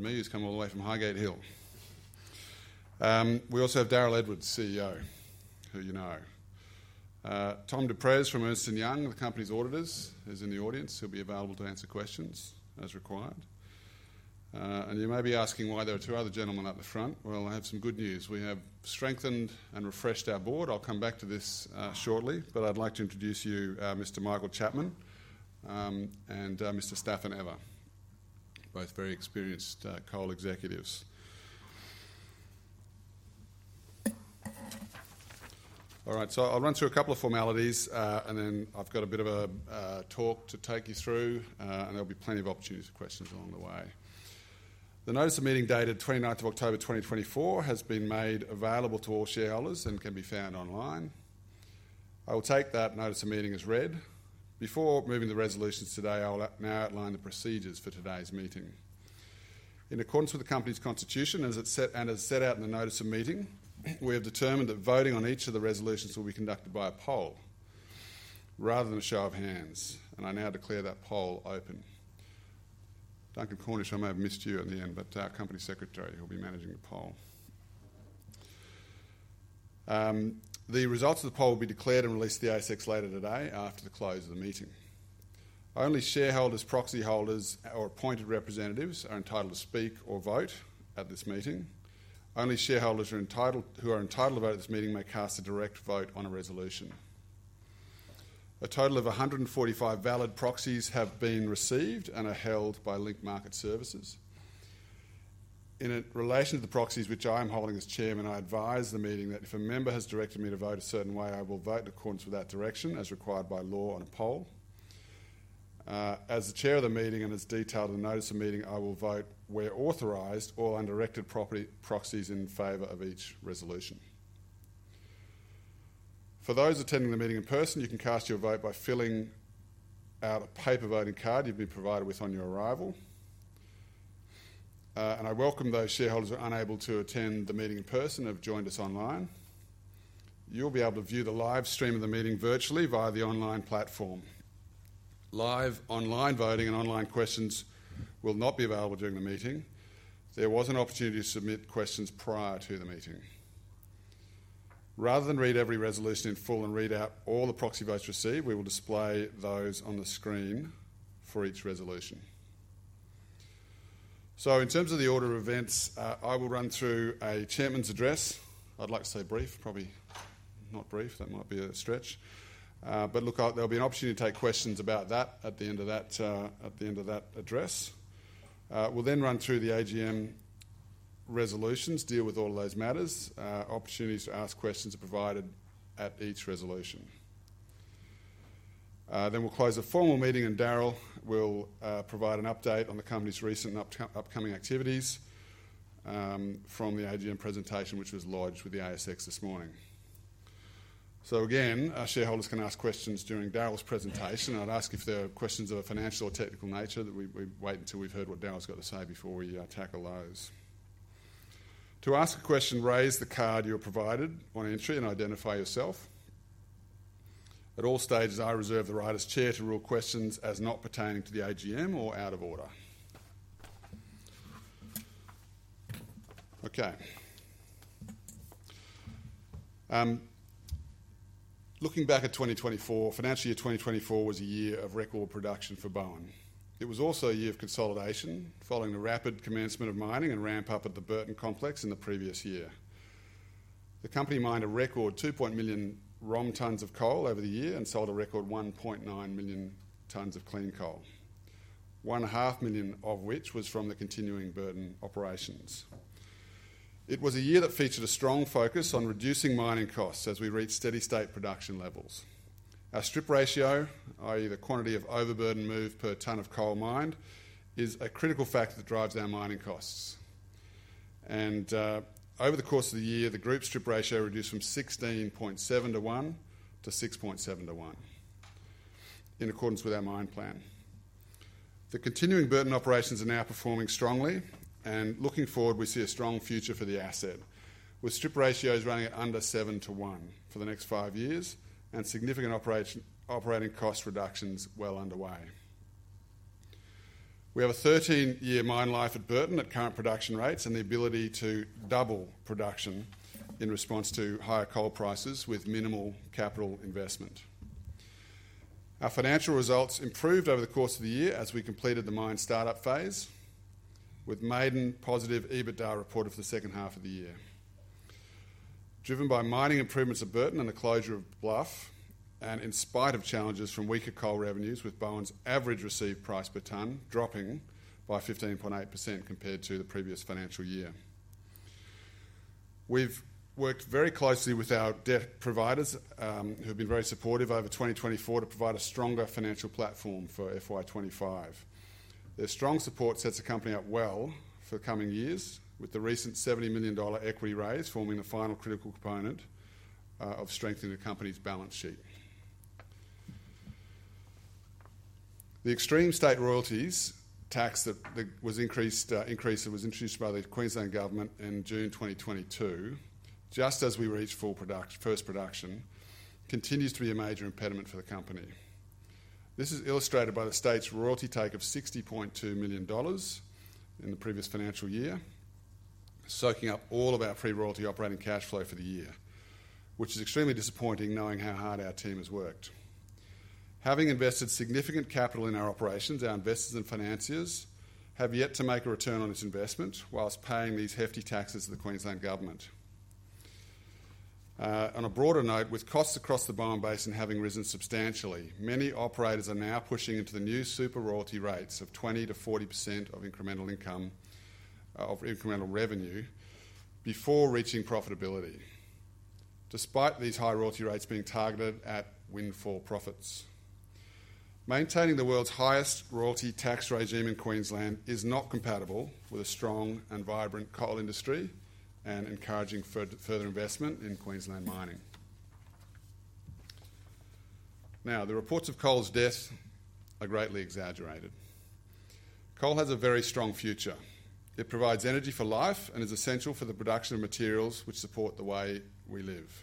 Mews come all the way from Highgate Hill. We also have Daryl Edwards, CEO, who you know. Tom du Preez from Ernst & Young, the company's auditors, is in the audience. He'll be available to answer questions as required. You may be asking why there are two other gentlemen up the front. I have some good news. We have strengthened and refreshed our board. I'll come back to this shortly, but I'd like to introduce you, Mr. Michael Chapman, and Mr. Staffan Ever, both very experienced coal executives. All right, I'll run through a couple of formalities, and then I've got a bit of a talk to take you through, and there'll be plenty of opportunities for questions along the way. The notice of meeting dated 29th of October 2024 has been made available to all shareholders and can be found online. I will take that notice of meeting as read. Before moving to the resolutions today, I will now outline the procedures for today's meeting. In accordance with the company's constitution, as it's set and as set out in the notice of meeting, we have determined that voting on each of the resolutions will be conducted by a poll rather than a show of hands, and I now declare that poll open. Duncan Cornish, I may have missed you at the end, but our Company Secretary will be managing the poll. The results of the poll will be declared and released to the ASX later today after the close of the meeting. Only shareholders, proxy holders, or appointed representatives are entitled to speak or vote at this meeting. Only shareholders who are entitled to vote at this meeting may cast a direct vote on a resolution. A total of 145 valid proxies have been received and are held by Link Market Services. In relation to the proxies, which I am holding as chairman, I advise the meeting that if a member has directed me to vote a certain way, I will vote in accordance with that direction as required by law on a poll. As the chair of the meeting and as detailed in the notice of meeting, I will vote where authorized or on directed proxies in favour of each resolution. For those attending the meeting in person, you can cast your vote by filling out a paper voting card you've been provided with on your arrival, and I welcome those shareholders who are unable to attend the meeting in person and have joined us online. You'll be able to view the live stream of the meeting virtually via the online platform. Live online voting and online questions will not be available during the meeting. There was an opportunity to submit questions prior to the meeting. Rather than read every resolution in full and read out all the proxy votes received, we will display those on the screen for each resolution. So, in terms of the order of events, I will run through a chairman's address. I'd like to say brief, probably not brief, that might be a stretch, but look, there'll be an opportunity to take questions about that at the end of that address. We'll then run through the AGM resolutions, deal with all of those matters, opportunities to ask questions are provided at each resolution. Then we'll close the formal meeting, and Daryl will provide an update on the company's recent and upcoming activities from the AGM presentation, which was lodged with the ASX this morning. So again, our shareholders can ask questions during Daryl's presentation. I'd ask if there are questions of a financial or technical nature that we wait until we've heard what Daryl's got to say before we tackle those. To ask a question, raise the card you are provided on entry and identify yourself. At all stages, I reserve the right as chair to rule questions as not pertaining to the AGM or out of order. Okay. Looking back at 2024, financial year 2024 was a year of record production for Bowen. It was also a year of consolidation following the rapid commencement of mining and ramp-up at the Burton complex in the previous year. The company mined a record 2.1 million ROM tons of coal over the year and sold a record 1.9 million tons of clean coal, 1.5 million of which was from the continuing Burton operations. It was a year that featured a strong focus on reducing mining costs as we reach steady-state production levels. Our strip ratio, i.e., the quantity of overburden moved per tonne of coal mined, is a critical factor that drives our mining costs. And over the course of the year, the group strip ratio reduced from 16.7 to 1 to 6.7 to 1 in accordance with our mine plan. The continuing overburden operations are now performing strongly, and looking forward, we see a strong future for the asset with strip ratios running at under 7 to 1 for the next five years and significant operating cost reductions well underway. We have a 13-year mine life at Burton at current production rates and the ability to double production in response to higher coal prices with minimal capital investment. Our financial results improved over the course of the year as we completed the mine start-up phase with maiden positive EBITDA reported for the second half of the year, driven by mining improvements at Burton and the closure of Bluff, and in spite of challenges from weaker coal revenues with Bowen's average received price per tonne dropping by 15.8% compared to the previous financial year. We've worked very closely with our debt providers who have been very supportive over 2024 to provide a stronger financial platform for FY 2025. Their strong support sets the company up well for coming years with the recent 70 million dollar equity raise forming the final critical component of strengthening the company's balance sheet. The extreme state royalties tax that was introduced by the Queensland government in June 2022, just as we reached full first production, continues to be a major impediment for the company. This is illustrated by the state's royalty take of 60.2 million dollars in the previous financial year, soaking up all of our pre-royalty operating cash flow for the year, which is extremely disappointing knowing how hard our team has worked. Having invested significant capital in our operations, our investors and financiers have yet to make a return on this investment whilst paying these hefty taxes to the Queensland government. On a broader note, with costs across the Bowen Basin having risen substantially, many operators are now pushing into the new super royalty rates of 20%-40% of incremental revenue before reaching profitability, despite these high royalty rates being targeted at windfall profits. Maintaining the world's highest royalty tax regime in Queensland is not compatible with a strong and vibrant coal industry and encouraging further investment in Queensland mining. Now, the reports of coal's death are greatly exaggerated. Coal has a very strong future. It provides energy for life and is essential for the production of materials which support the way we live.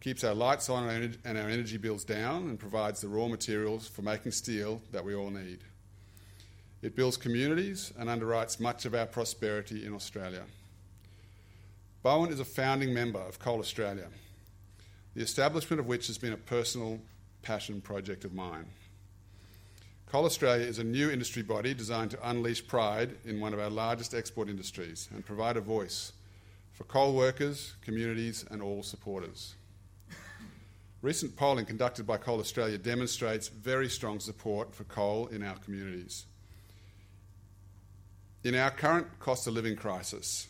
It keeps our lights on and our energy bills down and provides the raw materials for making steel that we all need. It builds communities and underwrites much of our prosperity in Australia. Bowen is a founding member of Coal Australia, the establishment of which has been a personal passion project of mine. Coal Australia is a new industry body designed to unleash pride in one of our largest export industries and provide a voice for coal workers, communities, and all supporters. Recent polling conducted by Coal Australia demonstrates very strong support for coal in our communities. In our current cost of living crisis,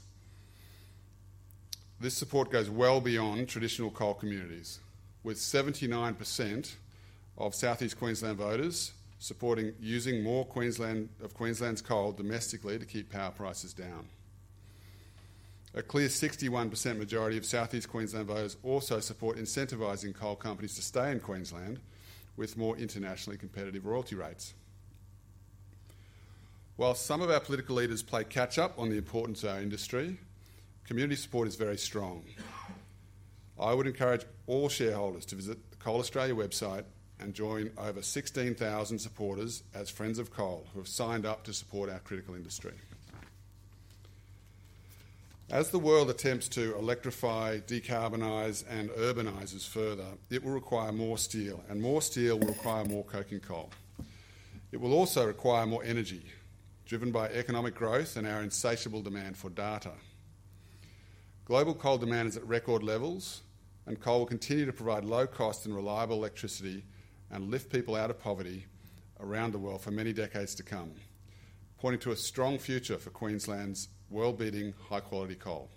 this support goes well beyond traditional coal communities, with 79% of Southeast Queensland voters supporting using more of Queensland's coal domestically to keep power prices down. A clear 61% majority of Southeast Queensland voters also support incentivizing coal companies to stay in Queensland with more internationally competitive royalty rates. While some of our political leaders play catch-up on the importance of our industry, community support is very strong. I would encourage all shareholders to visit the Coal Australia website and join over 16,000 supporters as friends of coal who have signed up to support our critical industry. As the world attempts to electrify, decarbonize, and urbanize us further, it will require more steel, and more steel will require more coking coal. It will also require more energy, driven by economic growth and our insatiable demand for data. Global coal demand is at record levels, and coal will continue to provide low-cost and reliable electricity and lift people out of poverty around the world for many decades to come, pointing to a strong future for Queensland's world-beating high-quality coal.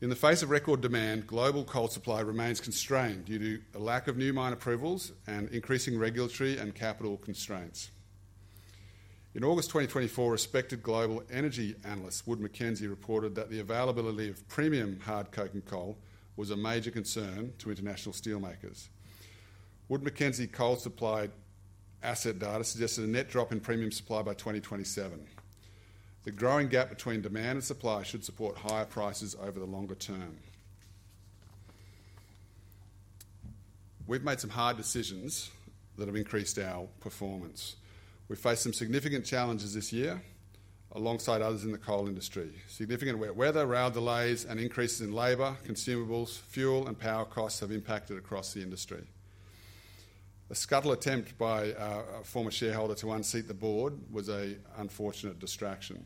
In the face of record demand, global coal supply remains constrained due to a lack of new mine approvals and increasing regulatory and capital constraints. In August 2024, respected global energy analyst Wood Mackenzie reported that the availability of premium hard coking coal was a major concern to international steelmakers. Wood Mackenzie coal supply asset data suggested a net drop in premium supply by 2027. The growing gap between demand and supply should support higher prices over the longer term. We've made some hard decisions that have increased our performance. We've faced some significant challenges this year alongside others in the coal industry. Significant weather, route delays, and increases in labor, consumables, fuel, and power costs have impacted across the industry. A scuttle attempt by a former shareholder to unseat the board was an unfortunate distraction.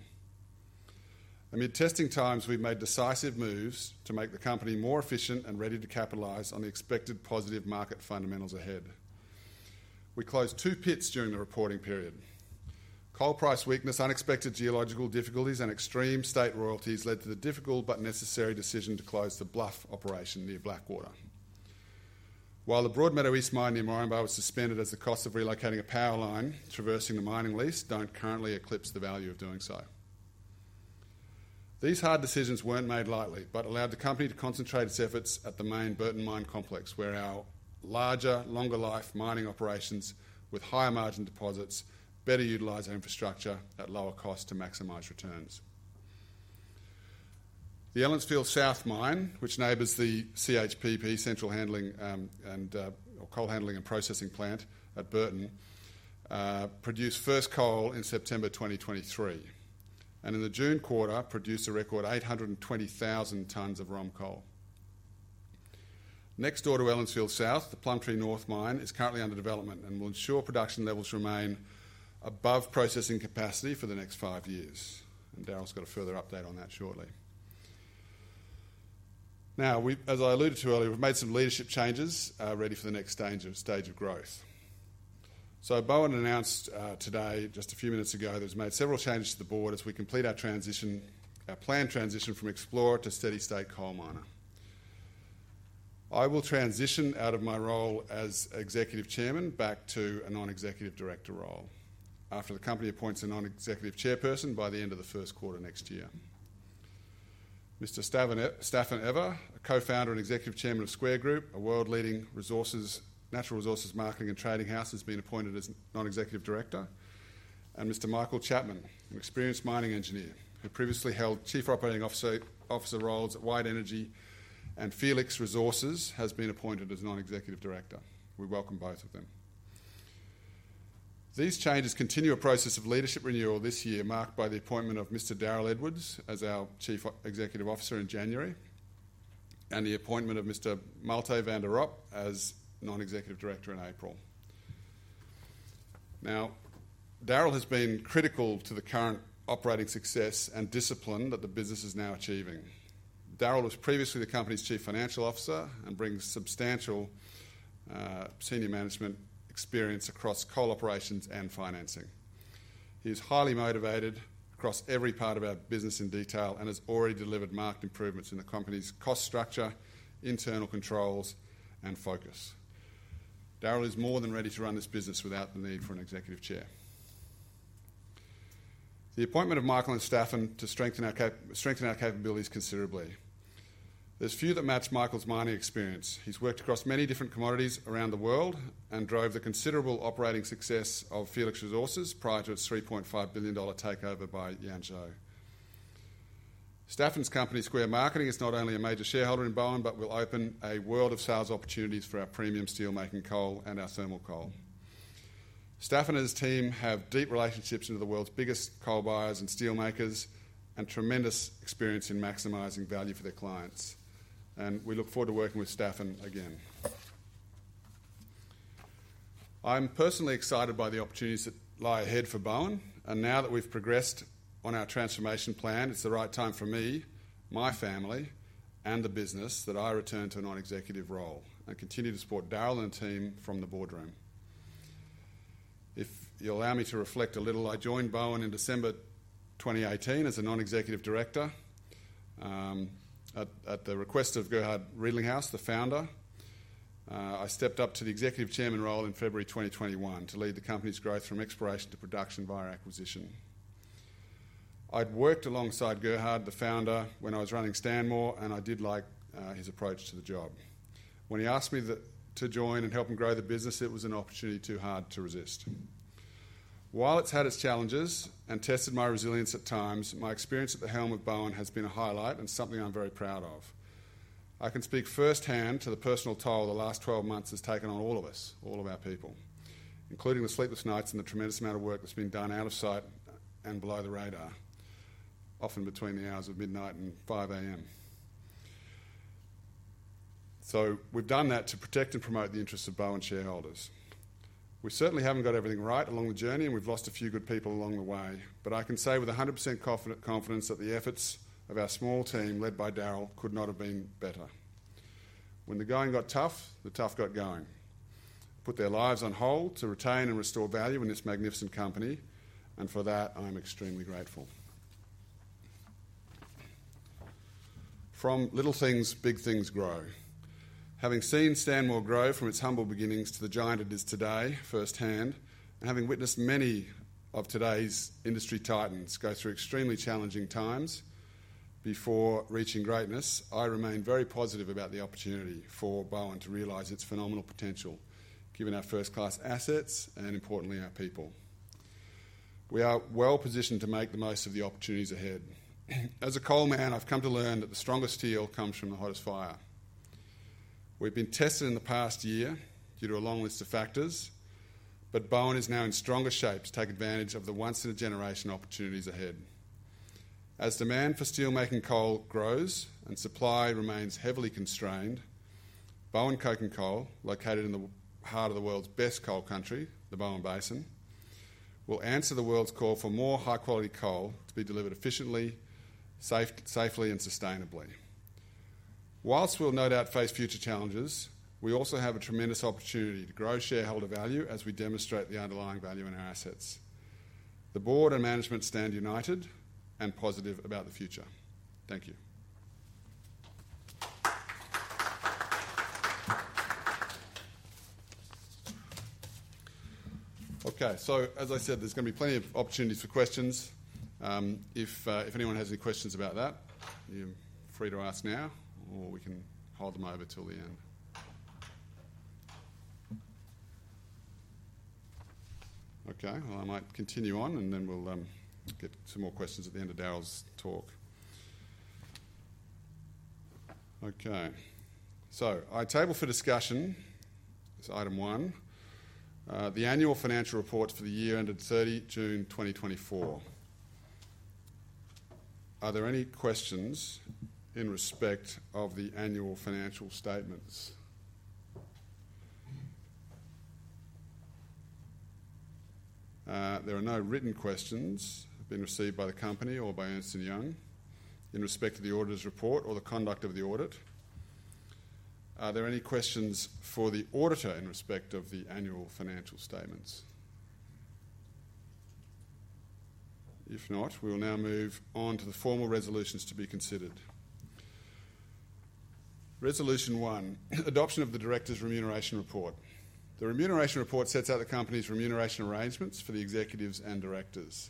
Amid testing times, we've made decisive moves to make the company more efficient and ready to capitalize on the expected positive market fundamentals ahead. We closed two pits during the reporting period. Coal price weakness, unexpected geological difficulties, and extreme state royalties led to the difficult but necessary decision to close the Bluff operation near Blackwater. While the Broadmeadow East mine near Moranbah was suspended as the cost of relocating a power line traversing the mining lease don't currently eclipse the value of doing so. These hard decisions weren't made lightly, but allowed the company to concentrate its efforts at the main Burton Mine Complex, where our larger, longer-life mining operations with higher margin deposits better utilize our infrastructure at lower cost to maximize returns. The Ellensfield South mine, which neighbors the CHPP, Coal Handling and Preparation Plant at Burton, produced first coal in September 2023, and in the June quarter produced a record 820,000 tonnes of ROM coal. Next door to Ellensfield South, the Plumtree North mine is currently under development and will ensure production levels remain above processing capacity for the next five years. And Daryl's got a further update on that shortly. Now, as I alluded to earlier, we've made some leadership changes ready for the next stage of growth. So Bowen announced today, just a few minutes ago, that has made several changes to the board as we complete our planned transition from explorer to steady-state coal miner. I will transition out of my role as Executive Chairman back to a Non-Executive Director role after the company appoints a Non-Executive Chairperson by the end of the first quarter next year. Mr. Staffan Ever, a co-founder and Executive Chairman of Square Group, a world-leading natural resources marketing and trading house, has been appointed as Non-Executive Director. And Mr. Michael Chapman, an experienced mining engineer who previously held chief operating officer roles at White Energy and Felix Resources, has been appointed as Non-Executive Director. We welcome both of them. These changes continue a process of leadership renewal this year, marked by the appointment of Mr. Daryl Edwards as our Chief Executive Officer in January and the appointment of Mr. Malte von der Ropp as Non-Executive Director in April. Now, Daryl has been critical to the current operating success and discipline that the business is now achieving. Daryl was previously the company's chief financial officer and brings substantial senior management experience across coal operations and financing. He is highly motivated across every part of our business in detail and has already delivered marked improvements in the company's cost structure, internal controls, and focus. Daryl is more than ready to run this business without the need for an executive chair. The appointment of Michael and Staffan to strengthen our capabilities considerably. There's few that match Michael's mining experience. He's worked across many different commodities around the world and drove the considerable operating success of Felix Resources prior to its $3.5 billion takeover by Yanzhou. Staffan's company, Square Marketing, is not only a major shareholder in Bowen but will open a world of sales opportunities for our premium steelmaking coal and our thermal coal. Staffan and his team have deep relationships into the world's biggest coal buyers and steelmakers and tremendous experience in maximizing value for their clients. And we look forward to working with Staffan again. I'm personally excited by the opportunities that lie ahead for Bowen. And now that we've progressed on our transformation plan, it's the right time for me, my family, and the business that I return to a non-executive role and continue to support Daryl and the team from the boardroom. If you'll allow me to reflect a little, I joined Bowen in December 2018 as a non-executive director at the request of Gerhard Redelinghuys, the founder. I stepped up to the Executive Chairman role in February 2021 to lead the company's growth from exploration to production via acquisition. I'd worked alongside Gerhard, the founder, when I was running Stanmore, and I did like his approach to the job. When he asked me to join and help him grow the business, it was an opportunity too hard to resist. While it's had its challenges and tested my resilience at times, my experience at the helm of Bowen has been a highlight and something I'm very proud of. I can speak firsthand to the personal toll the last 12 months has taken on all of us, all of our people, including the sleepless nights and the tremendous amount of work that's been done out of sight and below the radar, often between the hours of midnight and 5:00 A.M. So we've done that to protect and promote the interests of Bowen shareholders. We certainly haven't got everything right along the journey, and we've lost a few good people along the way, but I can say with 100% confidence that the efforts of our small team led by Daryl could not have been better. When the going got tough, the tough got going. Put their lives on hold to retain and restore value in this magnificent company, and for that, I'm extremely grateful. From little things, big things grow. Having seen Stanmore grow from its humble beginnings to the giant it is today firsthand, and having witnessed many of today's industry titans go through extremely challenging times before reaching greatness, I remain very positive about the opportunity for Bowen to realize its phenomenal potential, given our first-class assets and, importantly, our people. We are well positioned to make the most of the opportunities ahead. As a coal man, I've come to learn that the strongest steel comes from the hottest fire. We've been tested in the past year due to a long list of factors, but Bowen is now in stronger shape to take advantage of the once-in-a-generation opportunities ahead. As demand for steelmaking coal grows and supply remains heavily constrained, Bowen Coking Coal, located in the heart of the world's best coal country, the Bowen Basin, will answer the world's call for more high-quality coal to be delivered efficiently, safely, and sustainably. Whilst we'll no doubt face future challenges, we also have a tremendous opportunity to grow shareholder value as we demonstrate the underlying value in our assets. The board and management stand united and positive about the future. Thank you. Okay, so as I said, there's going to be plenty of opportunities for questions. If anyone has any questions about that, you're free to ask now, or we can hold them over till the end. Okay, well, I might continue on, and then we'll get some more questions at the end of Daryl's talk. Okay, so our table for discussion is item one, the annual financial report for the year ended 30 June 2024. Are there any questions in respect of the annual financial statements? There are no written questions being received by the company or by Ernst & Young in respect of the auditor's report or the conduct of the audit. Are there any questions for the auditor in respect of the annual financial statements? If not, we'll now move on to the formal resolutions to be considered. Resolution one, adoption of the director's remuneration report. The remuneration report sets out the company's remuneration arrangements for the executives and directors.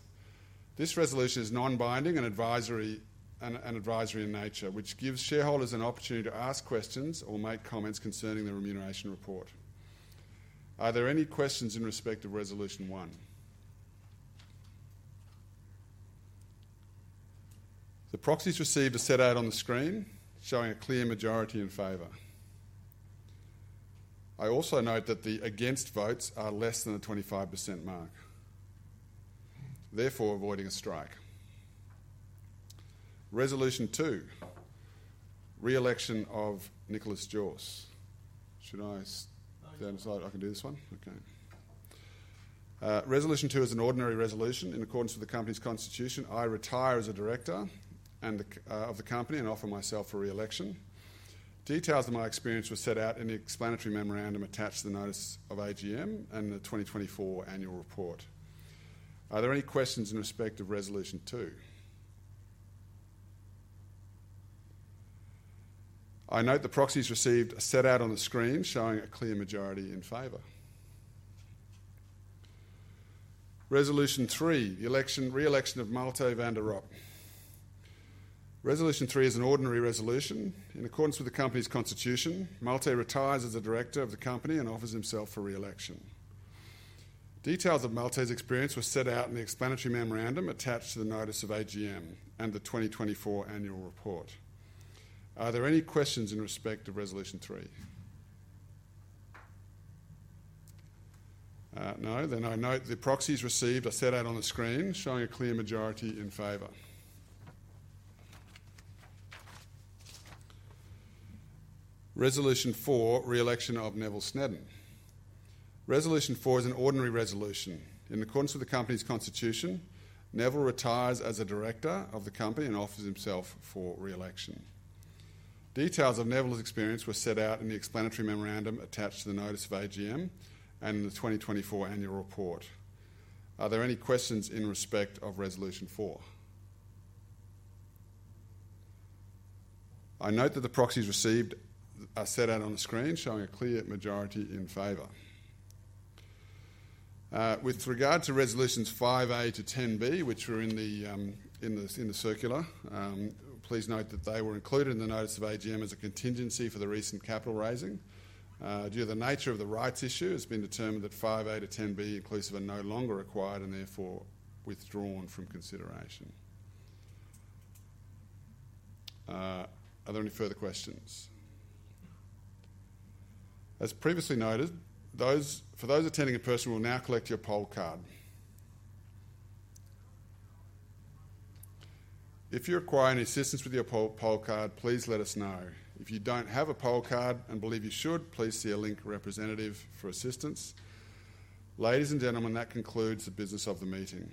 This resolution is non-binding and advisory in nature, which gives shareholders an opportunity to ask questions or make comments concerning the remuneration report. Are there any questions in respect of resolution one? The proxies received are set out on the screen, showing a clear majority in favour. I also note that the against votes are less than the 25% mark, therefore avoiding a strike. Resolution two, re-election of Nicholas Jorss. Should I stand aside? I can do this one? Okay. Resolution two is an ordinary resolution in accordance with the company's constitution. I retire as a director of the company and offer myself for re-election. Details of my experience were set out in the explanatory memorandum attached to the notice of AGM and the 2024 annual report. Are there any questions in respect of resolution two? I note the proxies received are set out on the screen, showing a clear majority in favour. Resolution three, re-election of Malte von der Ropp. Resolution three is an ordinary resolution. In accordance with the company's constitution, Malte retires as a director of the company and offers himself for re-election. Details of Malte's experience were set out in the explanatory memorandum attached to the notice of AGM and the 2024 annual report. Are there any questions in respect of resolution three? No. Then I note the proxies received are set out on the screen, showing a clear majority in favour. Resolution four, re-election of Neville Sneddon. Resolution four is an ordinary resolution. In accordance with the company's constitution, Neville retires as a director of the company and offers himself for re-election. Details of Neville's experience were set out in the explanatory memorandum attached to the notice of AGM and the 2024 annual report. Are there any questions in respect of resolution four? I note that the proxies received are set out on the screen, showing a clear majority in favor. With regard to resolutions 5A to 10B, which were in the circular, please note that they were included in the notice of AGM as a contingency for the recent capital raising. Due to the nature of the rights issue, it's been determined that 5A to 10B inclusive are no longer required and therefore withdrawn from consideration. Are there any further questions? As previously noted, for those attending in person, we'll now collect your poll card. If you require any assistance with your poll card, please let us know. If you don't have a poll card and believe you should, please see a Link representative for assistance. Ladies and gentlemen, that concludes the business of the meeting.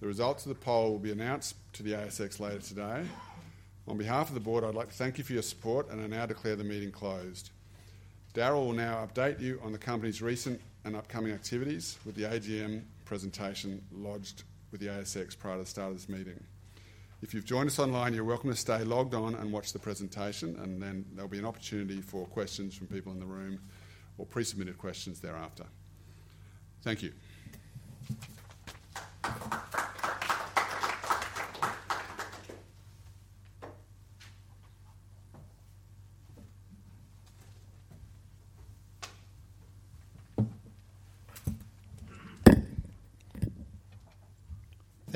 The results of the poll will be announced to the ASX later today. On behalf of the board, I'd like to thank you for your support and I now declare the meeting closed. Daryl will now update you on the company's recent and upcoming activities with the AGM presentation lodged with the ASX prior to the start of this meeting. If you've joined us online, you're welcome to stay logged on and watch the presentation, and then there'll be an opportunity for questions from people in the room or pre-submitted questions thereafter. Thank you.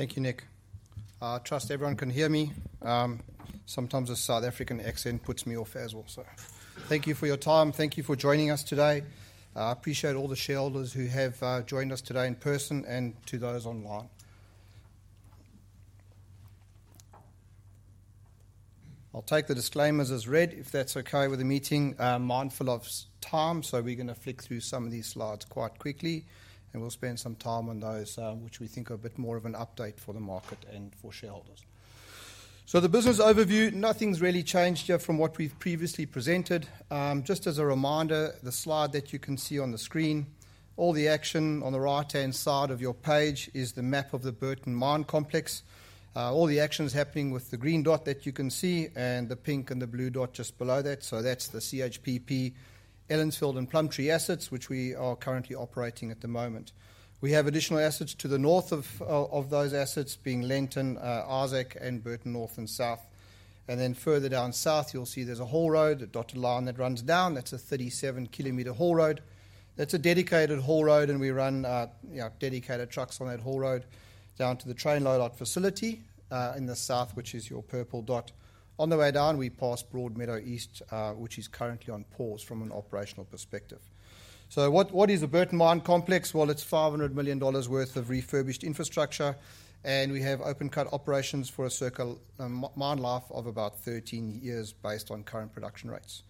Thank you, Nick. I trust everyone can hear me. Sometimes a South African accent puts me off as well. So thank you for your time. Thank you for joining us today. I appreciate all the shareholders who have joined us today in person and to those online. I'll take the disclaimers as read if that's okay with the meeting. I'm mindful of time, so we're going to flick through some of these slides quite quickly, and we'll spend some time on those which we think are a bit more of an update for the market and for shareholders. So the business overview, nothing's really changed from what we've previously presented. Just as a reminder, the slide that you can see on the screen. All the action on the right-hand side of your page is the map of the Burton Mine Complex. All the action is happening with the green dot that you can see and the pink and the blue dot just below that. So that's the CHPP Ellensfield and Plumtree Assets, which we are currently operating at the moment. We have additional assets to the north of those assets being Lenton, Isaac, and Burton North and South. And then further down south, you'll see there's a haul road, a dotted line that runs down. That's a 37-kilometer haul road. That's a dedicated haul road, and we run dedicated trucks on that haul road down to the train loadout facility in the south, which is your purple dot. On the way down, we pass Broadmeadow East, which is currently on pause from an operational perspective. So what is the Burton Mine Complex? It's $500 million worth of refurbished infrastructure, and we have open-cut operations with a mine life of about 13 years based on current production rates.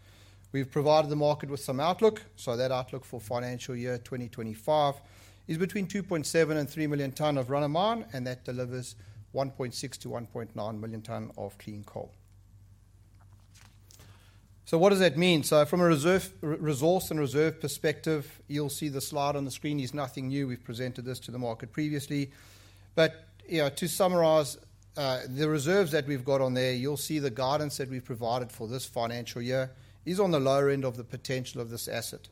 We've provided the market with some outlook, so that outlook for financial year 2025 is between 2.7 and 3 million tonnes of run-of-mine, and that delivers 1.6 to 1.9 million tonnes of clean coal. What does that mean? From a resource and reserve perspective, you'll see the slide on the screen is nothing new. We've presented this to the market previously. But to summarise, the reserves that we've got on there, you'll see the guidance that we've provided for this financial year is on the lower end of the potential of this asset.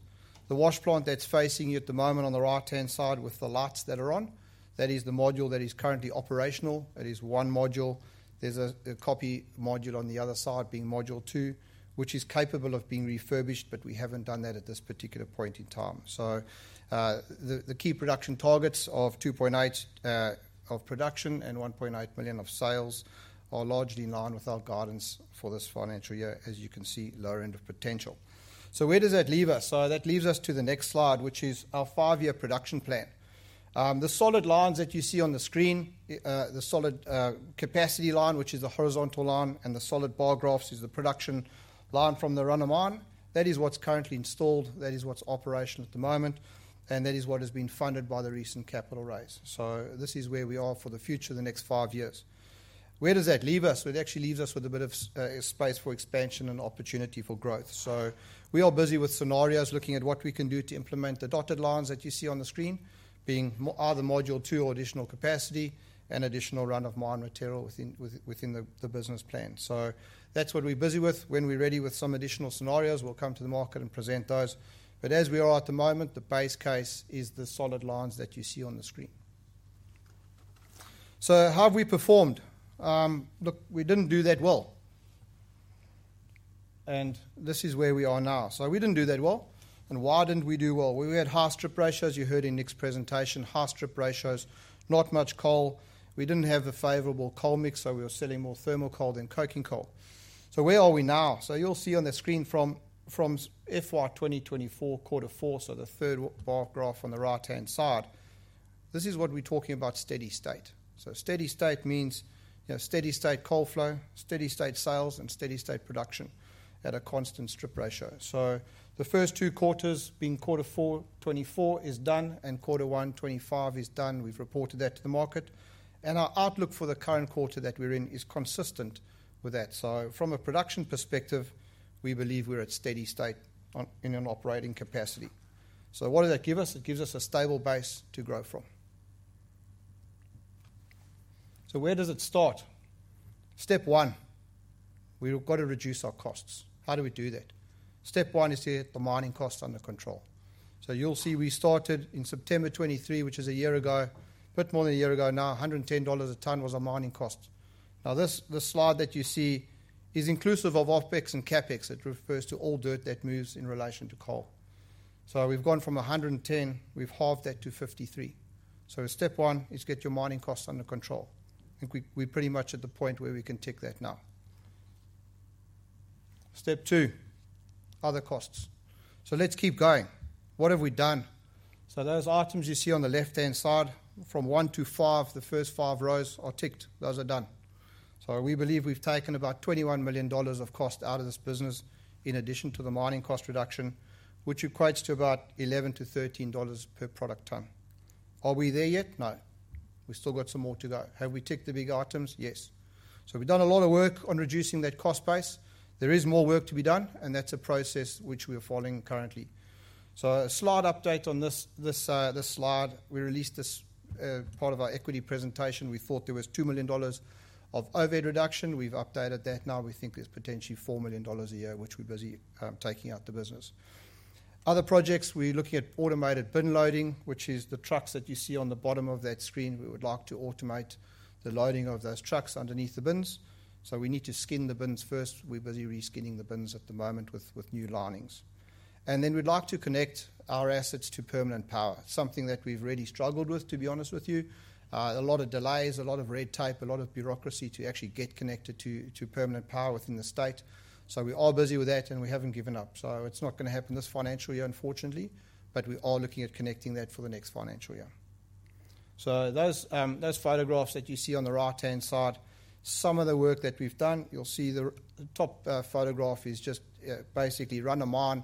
The wash plant that's facing you at the moment on the right-hand side with the lights that are on, that is the module that is currently operational. It is one module. There's a copy module on the other side being module two, which is capable of being refurbished, but we haven't done that at this particular point in time. The key production targets of 2.8 of production and 1.8 million of sales are largely in line with our guidance for this financial year, as you can see, lower end of potential. Where does that leave us? That leaves us to the next slide, which is our five-year production plan. The solid lines that you see on the screen, the solid capacity line, which is the horizontal line, and the solid bar graphs is the production line from the run-of-mine. That is what's currently installed. That is what's operational at the moment, and that is what has been funded by the recent capital raise. So this is where we are for the future, the next five years. Where does that leave us? It actually leaves us with a bit of space for expansion and opportunity for growth. So we are busy with scenarios looking at what we can do to implement the dotted lines that you see on the screen being either module two or additional capacity and additional run-of-mine material within the business plan. So that's what we're busy with. When we're ready with some additional scenarios, we'll come to the market and present those. But as we are at the moment, the base case is the solid lines that you see on the screen. So how have we performed? Look, we didn't do that well, and this is where we are now. So we didn't do that well, and why didn't we do well? We had high strip ratios, you heard in the next presentation, high strip ratios, not much coal. We didn't have the favorable coal mix, so we were selling more thermal coal than coking coal. So where are we now? So you'll see on the screen from FY 2024, quarter four, so the third bar graph on the right-hand side, this is what we're talking about, steady state. So steady state means steady state coal flow, steady state sales, and steady state production at a constant strip ratio. So the first two quarters being quarter four, 2024, is done, and quarter one, 2025, is done. We've reported that to the market, and our outlook for the current quarter that we're in is consistent with that. So from a production perspective, we believe we're at steady state in an operating capacity. So what does that give us? It gives us a stable base to grow from. So where does it start? Step one, we've got to reduce our costs. How do we do that? Step one is to get the mining costs under control. So you'll see we started in September 2023, which is a year ago, a bit more than a year ago now, $110 a tonne was our mining cost. Now, this slide that you see is inclusive of OpEx and CapEx. It refers to all dirt that moves in relation to coal. So we've gone from 110, we've halved that to 53. So step one is get your mining costs under control. I think we're pretty much at the point where we can tick that now. Step two, other costs. So let's keep going. What have we done? So those items you see on the left-hand side, from one to five, the first five rows are ticked. Those are done. So we believe we've taken about $21 million of cost out of this business in addition to the mining cost reduction, which equates to about $11-$13 per product tonne. Are we there yet? No. We've still got some more to go. Have we ticked the big items? Yes. So we've done a lot of work on reducing that cost base. There is more work to be done, and that's a process which we are following currently. So a slide update on this slide. We released this part of our equity presentation. We thought there was $2 million of overhead reduction. We've updated that. Now we think there's potentially $4 million a year, which we're busy taking out the business. Other projects, we're looking at automated bin loading, which is the trucks that you see on the bottom of that screen. We would like to automate the loading of those trucks underneath the bins. So we need to skin the bins first. We're busy reskinning the bins at the moment with new linings. And then we'd like to connect our assets to permanent power, something that we've really struggled with, to be honest with you. A lot of delays, a lot of red tape, a lot of bureaucracy to actually get connected to permanent power within the state. So we are busy with that, and we haven't given up. So it's not going to happen this financial year, unfortunately, but we are looking at connecting that for the next financial year. So those photographs that you see on the right-hand side, some of the work that we've done. You'll see the top photograph is just basically run-of-mine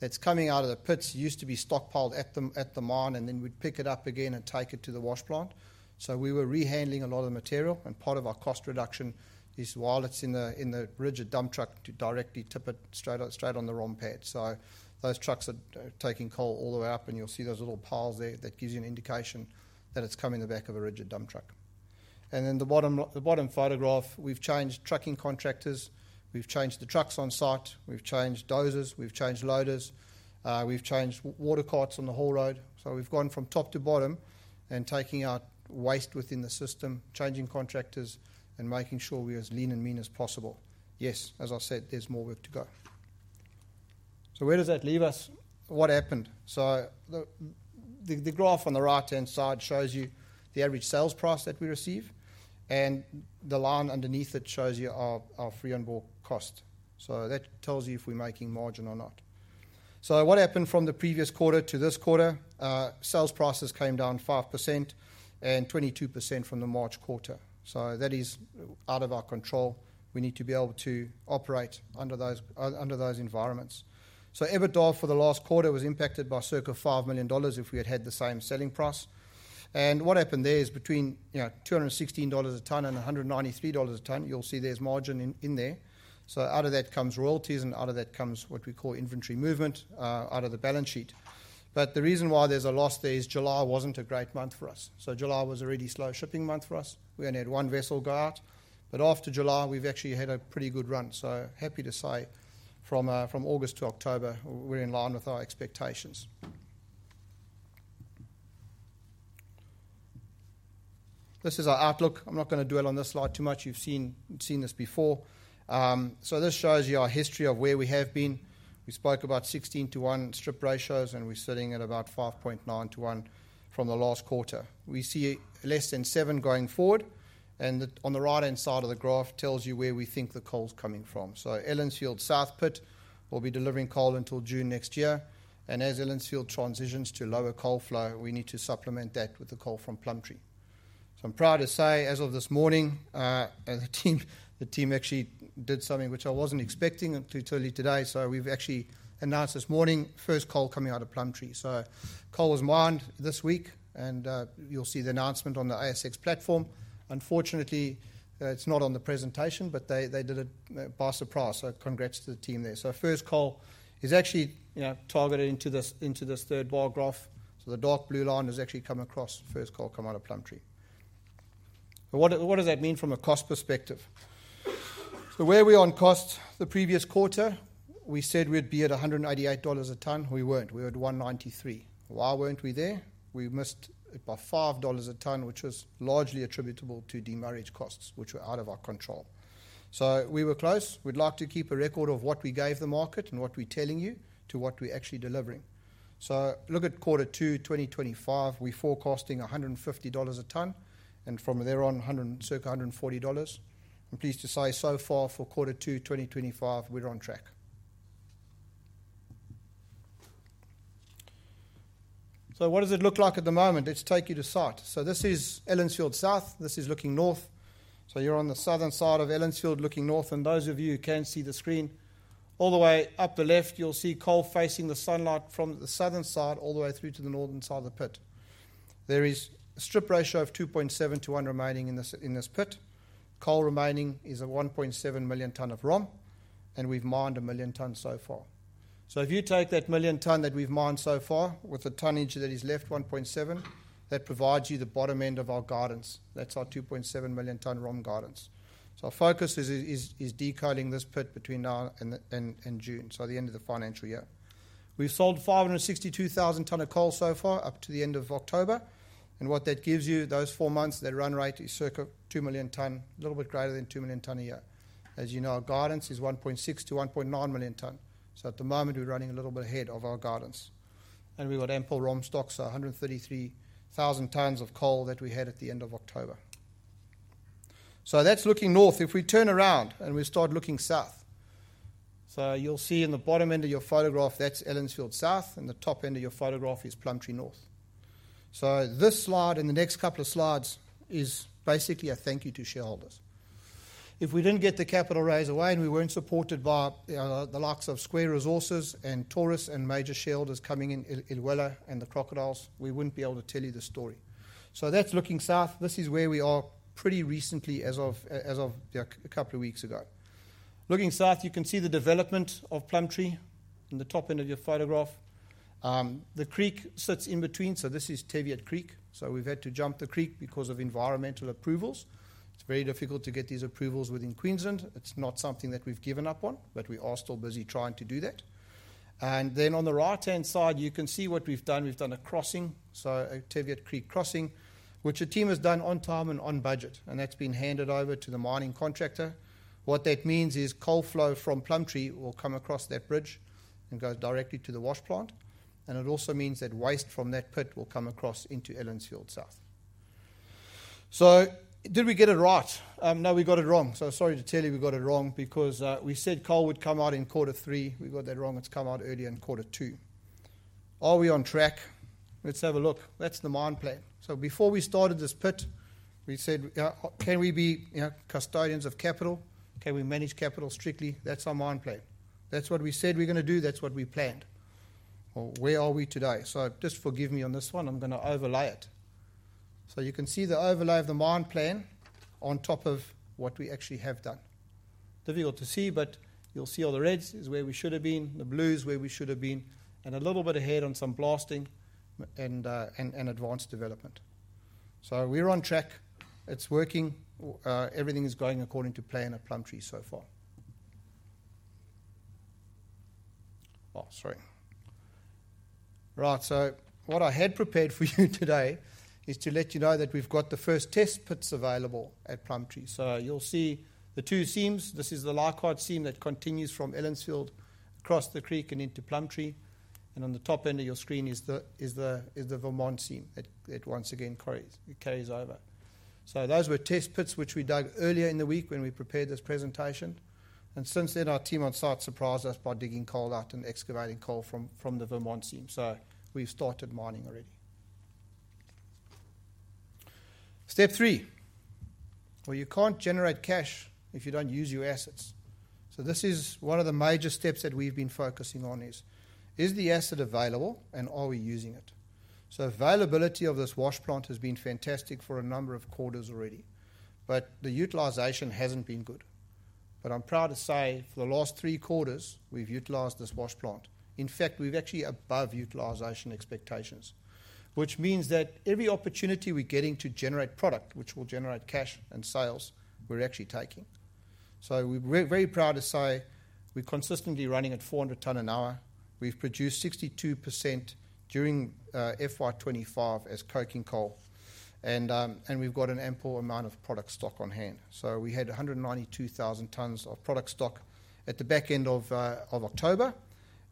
that's coming out of the pits. It used to be stockpiled at the mine, and then we'd pick it up again and take it to the wash plant. So we were re-handling a lot of the material, and part of our cost reduction is while it's in the rigid dump truck to directly tip it straight on the ROM pad. So those trucks are taking coal all the way up, and you'll see those little piles there that give you an indication that it's coming in the back of a rigid dump truck. And then the bottom photograph, we've changed trucking contractors. We've changed the trucks on site. We've changed dozers. We've changed loaders. We've changed water carts on the haul road. We've gone from top to bottom and taking out waste within the system, changing contractors, and making sure we're as lean and mean as possible. Yes, as I said, there's more work to go. Where does that leave us? What happened? The graph on the right-hand side shows you the average sales price that we receive, and the line underneath it shows you our free-on-board cost. That tells you if we're making margin or not. What happened from the previous quarter to this quarter? Sales prices came down 5% and 22% from the March quarter. That is out of our control. We need to be able to operate under those environments. EBITDA for the last quarter was impacted by circa $5 million if we had had the same selling price. What happened there is between 216 dollars a tonne and 193 dollars a tonne, you'll see there's margin in there. So out of that comes royalties, and out of that comes what we call inventory movement out of the balance sheet. But the reason why there's a loss there is July wasn't a great month for us. So July was a really slow shipping month for us. We only had one vessel go out. But after July, we've actually had a pretty good run. So happy to say from August to October, we're in line with our expectations. This is our outlook. I'm not going to dwell on this slide too much. You've seen this before. So this shows you our history of where we have been. We spoke about 16 to 1 strip ratios, and we're sitting at about 5.9 to 1 from the last quarter. We see less than 7 going forward, and on the right-hand side of the graph tells you where we think the coal's coming from. So Ellensfield South Pit will be delivering coal until June next year. And as Ellensfield transitions to lower coal flow, we need to supplement that with the coal from Plumtree. So I'm proud to say, as of this morning, the team actually did something which I wasn't expecting until today. So we've actually announced this morning, first coal coming out of Plumtree. So coal was mined this week, and you'll see the announcement on the ASX platform. Unfortunately, it's not on the presentation, but they did it by surprise. So congrats to the team there. So first coal is actually targeted into this third bar graph. So the dark blue line has actually come across first coal come out of Plumtree. What does that mean from a cost perspective? Where are we on costs? The previous quarter, we said we'd be at 188 dollars a tonne. We weren't. We were at 193. Why weren't we there? We missed it by 5 dollars a tonne, which was largely attributable to demurrage costs, which were out of our control. We were close. We'd like to keep a record of what we gave the market and what we're telling you to what we're actually delivering. Look at quarter two 2025. We're forecasting 150 dollars a tonne, and from there on, circa 140 dollars. Pleased to say, so far for quarter two 2025, we're on track. What does it look like at the moment? Let's take you to site. This is Ellensfield South. This is looking north. You're on the southern side of Ellensfield looking north. Those of you who can see the screen, all the way up the left, you'll see coal facing the sunlight from the southern side all the way through to the northern side of the pit. There is a strip ratio of 2.7 to 1 remaining in this pit. Coal remaining is a 1.7 million tonne of ROM, and we've mined a million tonne so far. If you take that million tonne that we've mined so far with the tonnage that is left, 1.7, that provides you the bottom end of our guidance. That's our 2.7 million tonne ROM guidance. Our focus is decoaling this pit between now and June, so the end of the financial year. We've sold 562,000 tonne of coal so far up to the end of October. And what that gives you, those four months, that run rate is circa 2 million tonnes, a little bit greater than 2 million tonnes a year. As you know, our guidance is 1.6-1.9 million tonnes. So at the moment, we're running a little bit ahead of our guidance. And we've got ample ROM stocks, so 133,000 tonnes of coal that we had at the end of October. So that's looking north. If we turn around and we start looking south, so you'll see in the bottom end of your photograph, that's Ellensfield South, and the top end of your photograph is Plumtree North. So this slide and the next couple of slides is basically a thank you to shareholders. If we didn't get the capital raise away and we weren't supported by the likes of Square Resources and Taurus and major shareholders coming in, Ilwella and the Crocodiles, we wouldn't be able to tell you the story. So that's looking south. This is where we are pretty recently, as of a couple of weeks ago. Looking south, you can see the development of Plumtree in the top end of your photograph. The creek sits in between. So this is Teviot Creek. So we've had to jump the creek because of environmental approvals. It's very difficult to get these approvals within Queensland. It's not something that we've given up on, but we are still busy trying to do that. And then on the right-hand side, you can see what we've done. We've done a crossing, so a Teviot Creek crossing, which a team has done on time and on budget, and that's been handed over to the mining contractor. What that means is coal flow from Plumtree will come across that bridge and go directly to the wash plant. And it also means that waste from that pit will come across into Ellensfield South. So did we get it right? No, we got it wrong. So sorry to tell you we got it wrong because we said coal would come out in quarter three. We got that wrong. It's come out earlier in quarter two. Are we on track? Let's have a look. That's the mine plan. So before we started this pit, we said, can we be custodians of capital? Can we manage capital strictly? That's our mine plan. That's what we said we're going to do. That's what we planned. Where are we today? Just forgive me on this one. I'm going to overlay it. So you can see the overlay of the mine plan on top of what we actually have done. Difficult to see, but you'll see all the reds is where we should have been, the blues where we should have been, and a little bit ahead on some blasting and advanced development. So we're on track. It's working. Everything is going according to plan at Plumtree so far. Oh, sorry. Right. So what I had prepared for you today is to let you know that we've got the first test pits available at Plumtree. So you'll see the two seams. This is the Leichhardt seam that continues from Ellensfield across the creek and into Plumtree. On the top end of your screen is the Vermont seam that once again carries over. Those were test pits which we dug earlier in the week when we prepared this presentation. Since then, our team on site surprised us by digging coal out and excavating coal from the Vermont seam. We've started mining already. Step three, well, you can't generate cash if you don't use your assets. This is one of the major steps that we've been focusing on is the asset available and are we using it? Availability of this wash plant has been fantastic for a number of quarters already, but the utilization hasn't been good. I'm proud to say for the last three quarters, we've utilized this wash plant. In fact, we've actually above utilization expectations, which means that every opportunity we're getting to generate product, which will generate cash and sales, we're actually taking. So we're very proud to say we're consistently running at 400 tonne an hour. We've produced 62% during FY25 as coking coal, and we've got an ample amount of product stock on hand. So we had 192,000 tonne of product stock at the back end of October,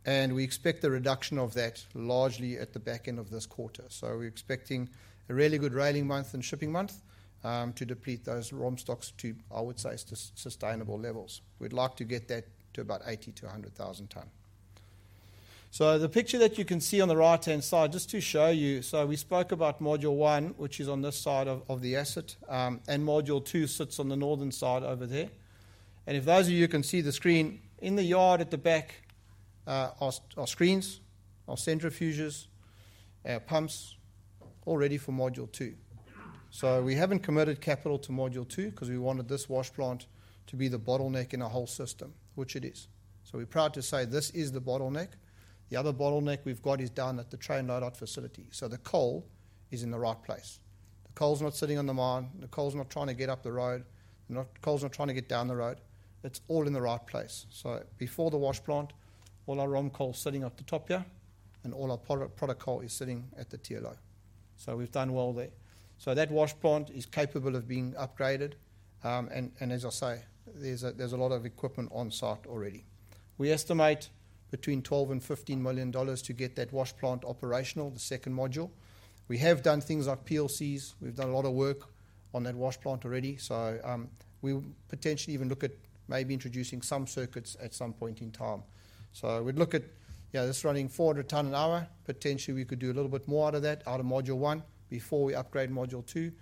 and we expect the reduction of that largely at the back end of this quarter. So we're expecting a really good railing month and shipping month to deplete those ROM stocks to, I would say, sustainable levels. We'd like to get that to about 80-100,000 tonne. The picture that you can see on the right-hand side, just to show you, so we spoke about module one, which is on this side of the asset, and module two sits on the northern side over there. And if those of you can see the screen, in the yard at the back, our screens, our centrifuges, our pumps all ready for module two. We haven't committed capital to module two because we wanted this wash plant to be the bottleneck in our whole system, which it is. We're proud to say this is the bottleneck. The other bottleneck we've got is down at the train loadout facility. The coal is in the right place. The coal's not sitting on the mine. The coal's not trying to get up the road. The coal's not trying to get down the road. It's all in the right place. Before the wash plant, all our ROM coal is sitting up the top here, and all our product coal is sitting at the TLO. We've done well there. That wash plant is capable of being upgraded. And as I say, there's a lot of equipment on site already. We estimate between $12-$15 million to get that wash plant operational, the second module. We have done things like PLCs. We've done a lot of work on that wash plant already. We potentially even look at maybe introducing some circuits at some point in time. We'd look at this running 400 tonne an hour. Potentially, we could do a little bit more out of that, out of module one before we upgrade module two.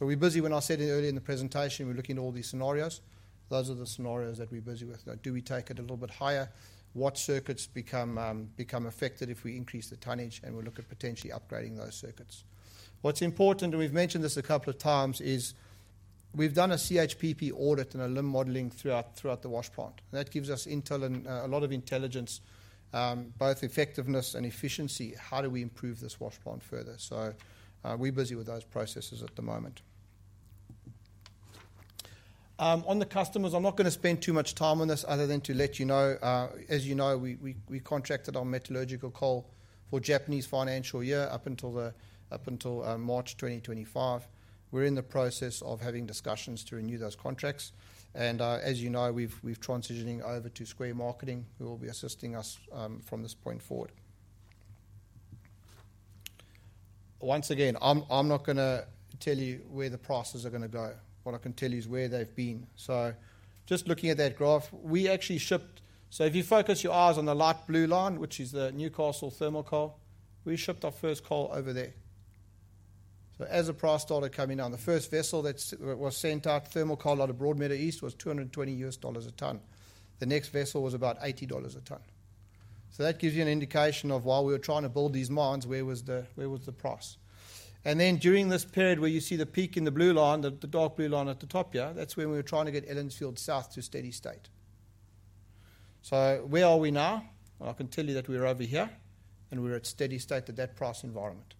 We're busy. When I said earlier in the presentation, we're looking at all these scenarios. Those are the scenarios that we're busy with. Do we take it a little bit higher? What circuits become affected if we increase the tonnage and we look at potentially upgrading those circuits? What's important, and we've mentioned this a couple of times, is we've done a CHPP audit and a Limn modeling throughout the wash plant. That gives us a lot of intelligence, both effectiveness and efficiency. How do we improve this wash plant further? We're busy with those processes at the moment. On the customers, I'm not going to spend too much time on this other than to let you know, as you know, we contracted our metallurgical coal for Japanese financial year up until March 2025. We're in the process of having discussions to renew those contracts. As you know, we've transitioning over to Square Marketing, who will be assisting us from this point forward. Once again, I'm not going to tell you where the prices are going to go. What I can tell you is where they've been, so just looking at that graph, we actually shipped, so if you focus your eyes on the light blue line, which is the Newcastle thermal coal, we shipped our first coal over there. So as the price started coming down, the first vessel that was sent out, thermal coal out of Broadmeadow East, was $220 a tonne. The next vessel was about $80 a tonne. So that gives you an indication of while we were trying to build these mines, where was the price? And then during this period where you see the peak in the blue line, the dark blue line at the top here, that's when we were trying to get Ellensfield South to steady state. So where are we now? I can tell you that we're over here, and we're at steady state at that price environment.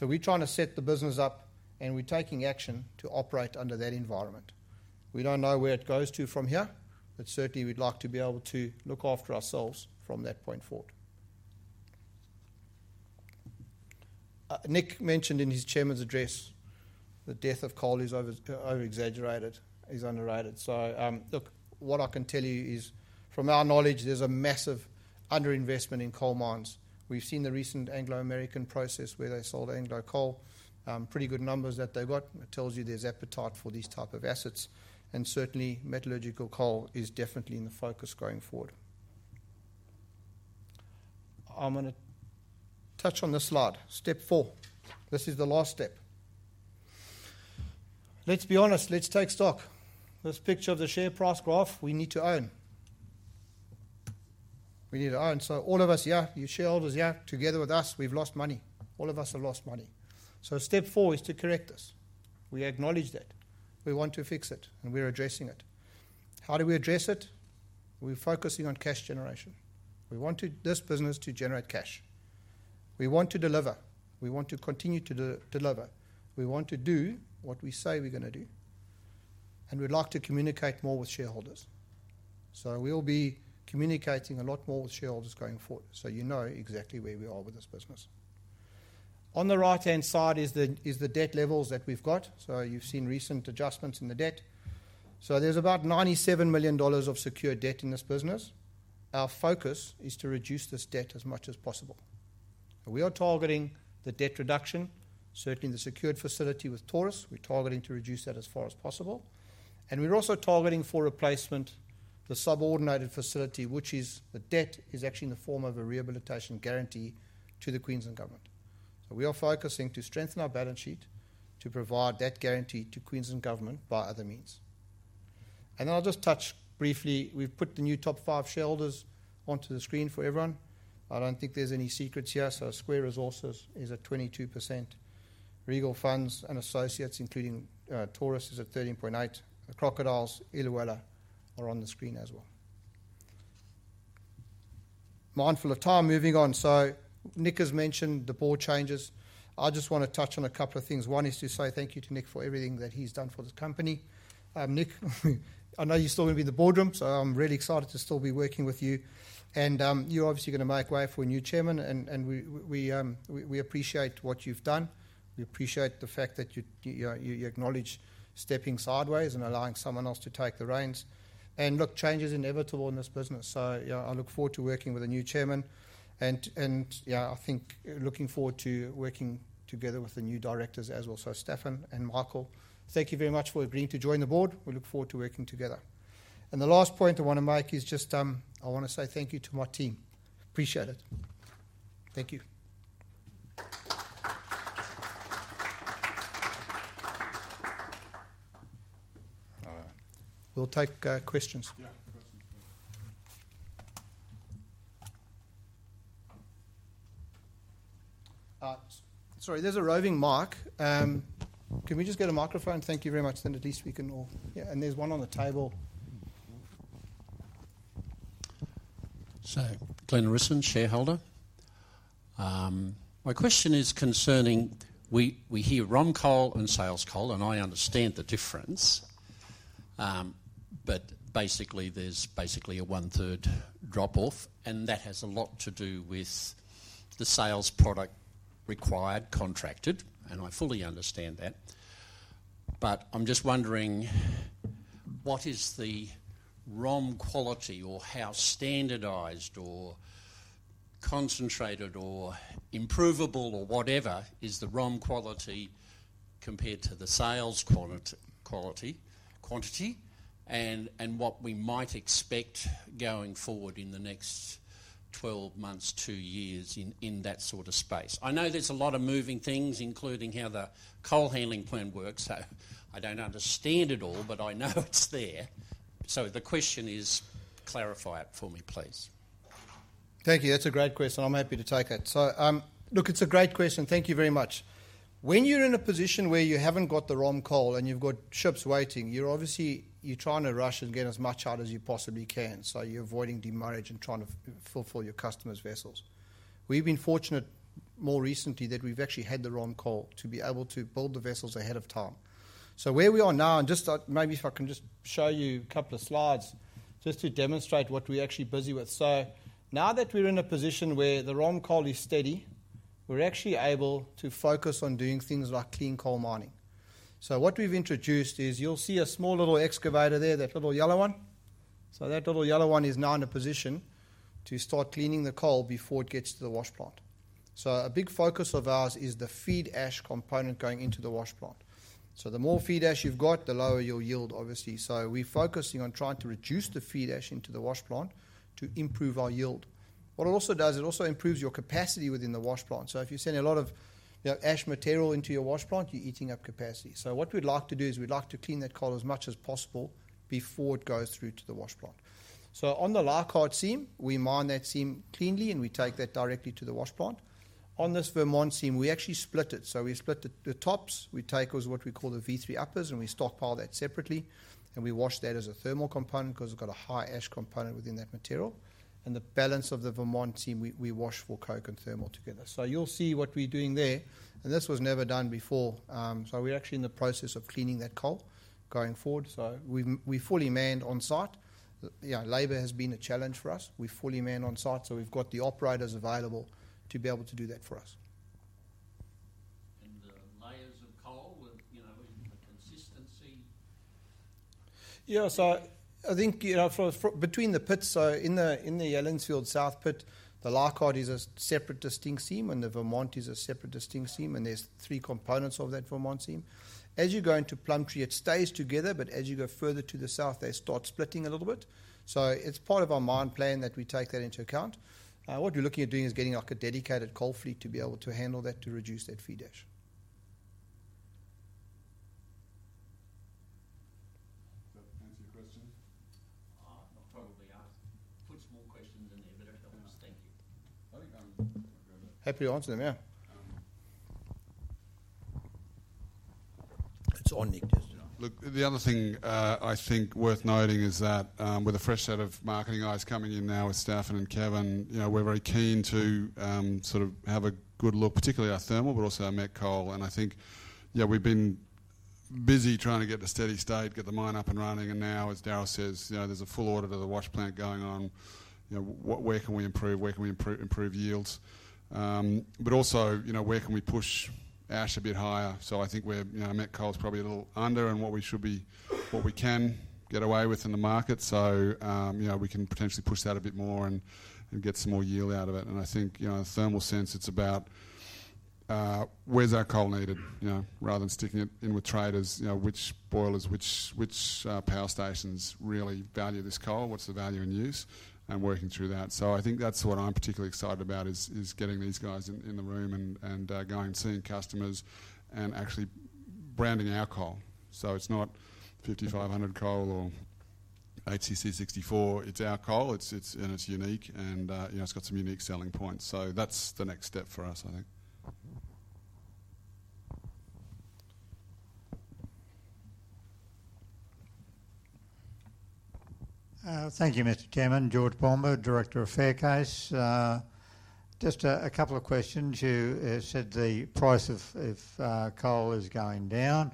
We're trying to set the business up, and we're taking action to operate under that environment. We don't know where it goes to from here, but certainly we'd like to be able to look after ourselves from that point forward. Nick mentioned in his chairman's address the death of coal is overexaggerated. He's underrated. Look, what I can tell you is, from our knowledge, there's a massive underinvestment in coal mines. We've seen the recent Anglo American process where they sold Anglo Coal, pretty good numbers that they've got. It tells you there's appetite for these types of assets. Certainly, metallurgical coal is definitely in the focus going forward. I'm going to touch on this slide. Step four. This is the last step. Let's be honest. Let's take stock. This picture of the share price graph, we need to own. We need to own so all of us, your shareholders, together with us, we've lost money. All of us have lost money. Step four is to correct this. We acknowledge that. We want to fix it, and we're addressing it. How do we address it? We're focusing on cash generation. We want this business to generate cash. We want to deliver. We want to continue to deliver. We want to do what we say we're going to do, and we'd like to communicate more with shareholders. So we'll be communicating a lot more with shareholders going forward so you know exactly where we are with this business. On the right-hand side is the debt levels that we've got, so you've seen recent adjustments in the debt. There's about 97 million dollars of secured debt in this business. Our focus is to reduce this debt as much as possible. We are targeting the debt reduction, certainly the secured facility with Taurus. We're targeting to reduce that as far as possible. And we're also targeting for replacement the subordinated facility, which is the debt is actually in the form of a rehabilitation guarantee to the Queensland government. So we are focusing to strengthen our balance sheet to provide that guarantee to Queensland government by other means. And then I'll just touch briefly. We've put the new top five shareholders onto the screen for everyone. I don't think there's any secrets here. So Square Resources is at 22%. Regal Funds and Associates, including Taurus, is at 13.8%. The Crocodiles, Ilwella, are on the screen as well. Mindful of time, moving on. So Nick has mentioned the board changes. I just want to touch on a couple of things. One is to say thank you to Nick for everything that he's done for this company. Nick, I know you're still going to be on the board, so I'm really excited to still be working with you, and you're obviously going to make way for a new chairman, and we appreciate what you've done. We appreciate the fact that you acknowledge stepping sideways and allowing someone else to take the reins, and look, change is inevitable in this business. So I look forward to working with a new chairman, and yeah, I think looking forward to working together with the new directors as well, so Staffan and Michael, thank you very much for agreeing to join the board. We look forward to working together. And the last point I want to make is just I want to say thank you to my team. Appreciate it. Thank you. We'll take questions. Yeah, questions. Sorry, there's a roving mic. Can we just get a microphone? Thank you very much. Then at least we can all. Yeah. And there's one on the table. So Glenn Risson, shareholder. My question is concerning we hear ROM coal and sales coal, and I understand the difference, but basically there's a one-third drop-off, and that has a lot to do with the sales product required, contracted, and I fully understand that. But I'm just wondering, what is the ROM quality or how standardized or concentrated or improvable or whatever is the ROM quality compared to the sales quantity and what we might expect going forward in the next 12 months, two years in that sort of space? I know there's a lot of moving things, including how the coal handling plant works. I don't understand it all, but I know it's there. So the question is, clarify it for me, please. Thank you. That's a great question. I'm happy to take it. So look, it's a great question. Thank you very much. When you're in a position where you haven't got the ROM coal and you've got ships waiting, you're obviously trying to rush and get as much out as you possibly can. So you're avoiding demurrage and trying to fulfill your customers' vessels. We've been fortunate more recently that we've actually had the ROM coal to be able to build the vessels ahead of time. So where we are now, and just maybe if I can just show you a couple of slides just to demonstrate what we're actually busy with. So now that we're in a position where the ROM coal is steady, we're actually able to focus on doing things like clean coal mining. So what we've introduced is you'll see a small little excavator there, that little yellow one. So that little yellow one is now in a position to start cleaning the coal before it gets to the wash plant. So a big focus of ours is the feed ash component going into the wash plant. So the more feed ash you've got, the lower your yield, obviously. So we're focusing on trying to reduce the feed ash into the wash plant to improve our yield. What it also does, it also improves your capacity within the wash plant. So if you're sending a lot of ash material into your wash plant, you're eating up capacity. So what we'd like to do is we'd like to clean that coal as much as possible before it goes through to the wash plant. On the Leichhardt seam, we mine that seam cleanly, and we take that directly to the wash plant. On this Vermont seam, we actually split it. So we split the tops. We take what we call the V3 uppers, and we stockpile that separately. And we wash that as a thermal component because we've got a high ash component within that material. And the balance of the Vermont seam, we wash for coke and thermal together. So you'll see what we're doing there. And this was never done before. So we're actually in the process of cleaning that coal going forward. So we fully man on site. Labour has been a challenge for us. We fully man on site. So we've got the operators available to be able to do that for us. And the layers of coal with consistency? Yeah. So I think between the pits, so in the Ellensfield South pit, the Leichhardt is a separate distinct seam, and the Vermont is a separate distinct seam, and there's three components of that Vermont seam. As you go into Plumtree, it stays together, but as you go further to the south, they start splitting a little bit. So it's part of our mine plan that we take that into account. What we're looking at doing is getting a dedicated coal fleet to be able to handle that, to reduce that feed ash. Does that answer your question? I'll probably ask two more questions in there, but that helps us. Thank you. I think I'm good. Happy to answer them, yeah. It's on Nick just now. Look, the other thing I think worth noting is that with a fresh set of marketing eyes coming in now with Staffan and Kevin, we're very keen to sort of have a good look, particularly our thermal, but also our met coal. And I think, yeah, we've been busy trying to get to steady state, get the mine up and running. And now, as Daryl says, there's a full audit of the wash plant going on. Where can we improve? Where can we improve yields? But also, where can we push ash a bit higher? So I think met coal is probably a little under, and what we should be, what we can get away with in the market. So we can potentially push that a bit more and get some more yield out of it. And I think in a thermal sense, it's about where's our coal needed rather than sticking it in with traders, which boilers, which power stations really value this coal, what's the value in use, and working through that. So I think that's what I'm particularly excited about, is getting these guys in the room and going, seeing customers and actually branding our coal. So it's not 5500 coal or HCC 64. It's our coal, and it's unique, and it's got some unique selling points. So that's the next step for us, I think. Thank you, Mr. Chairman. George Bomber, Director of Faircase. Just a couple of questions. You said the price of coal is going down.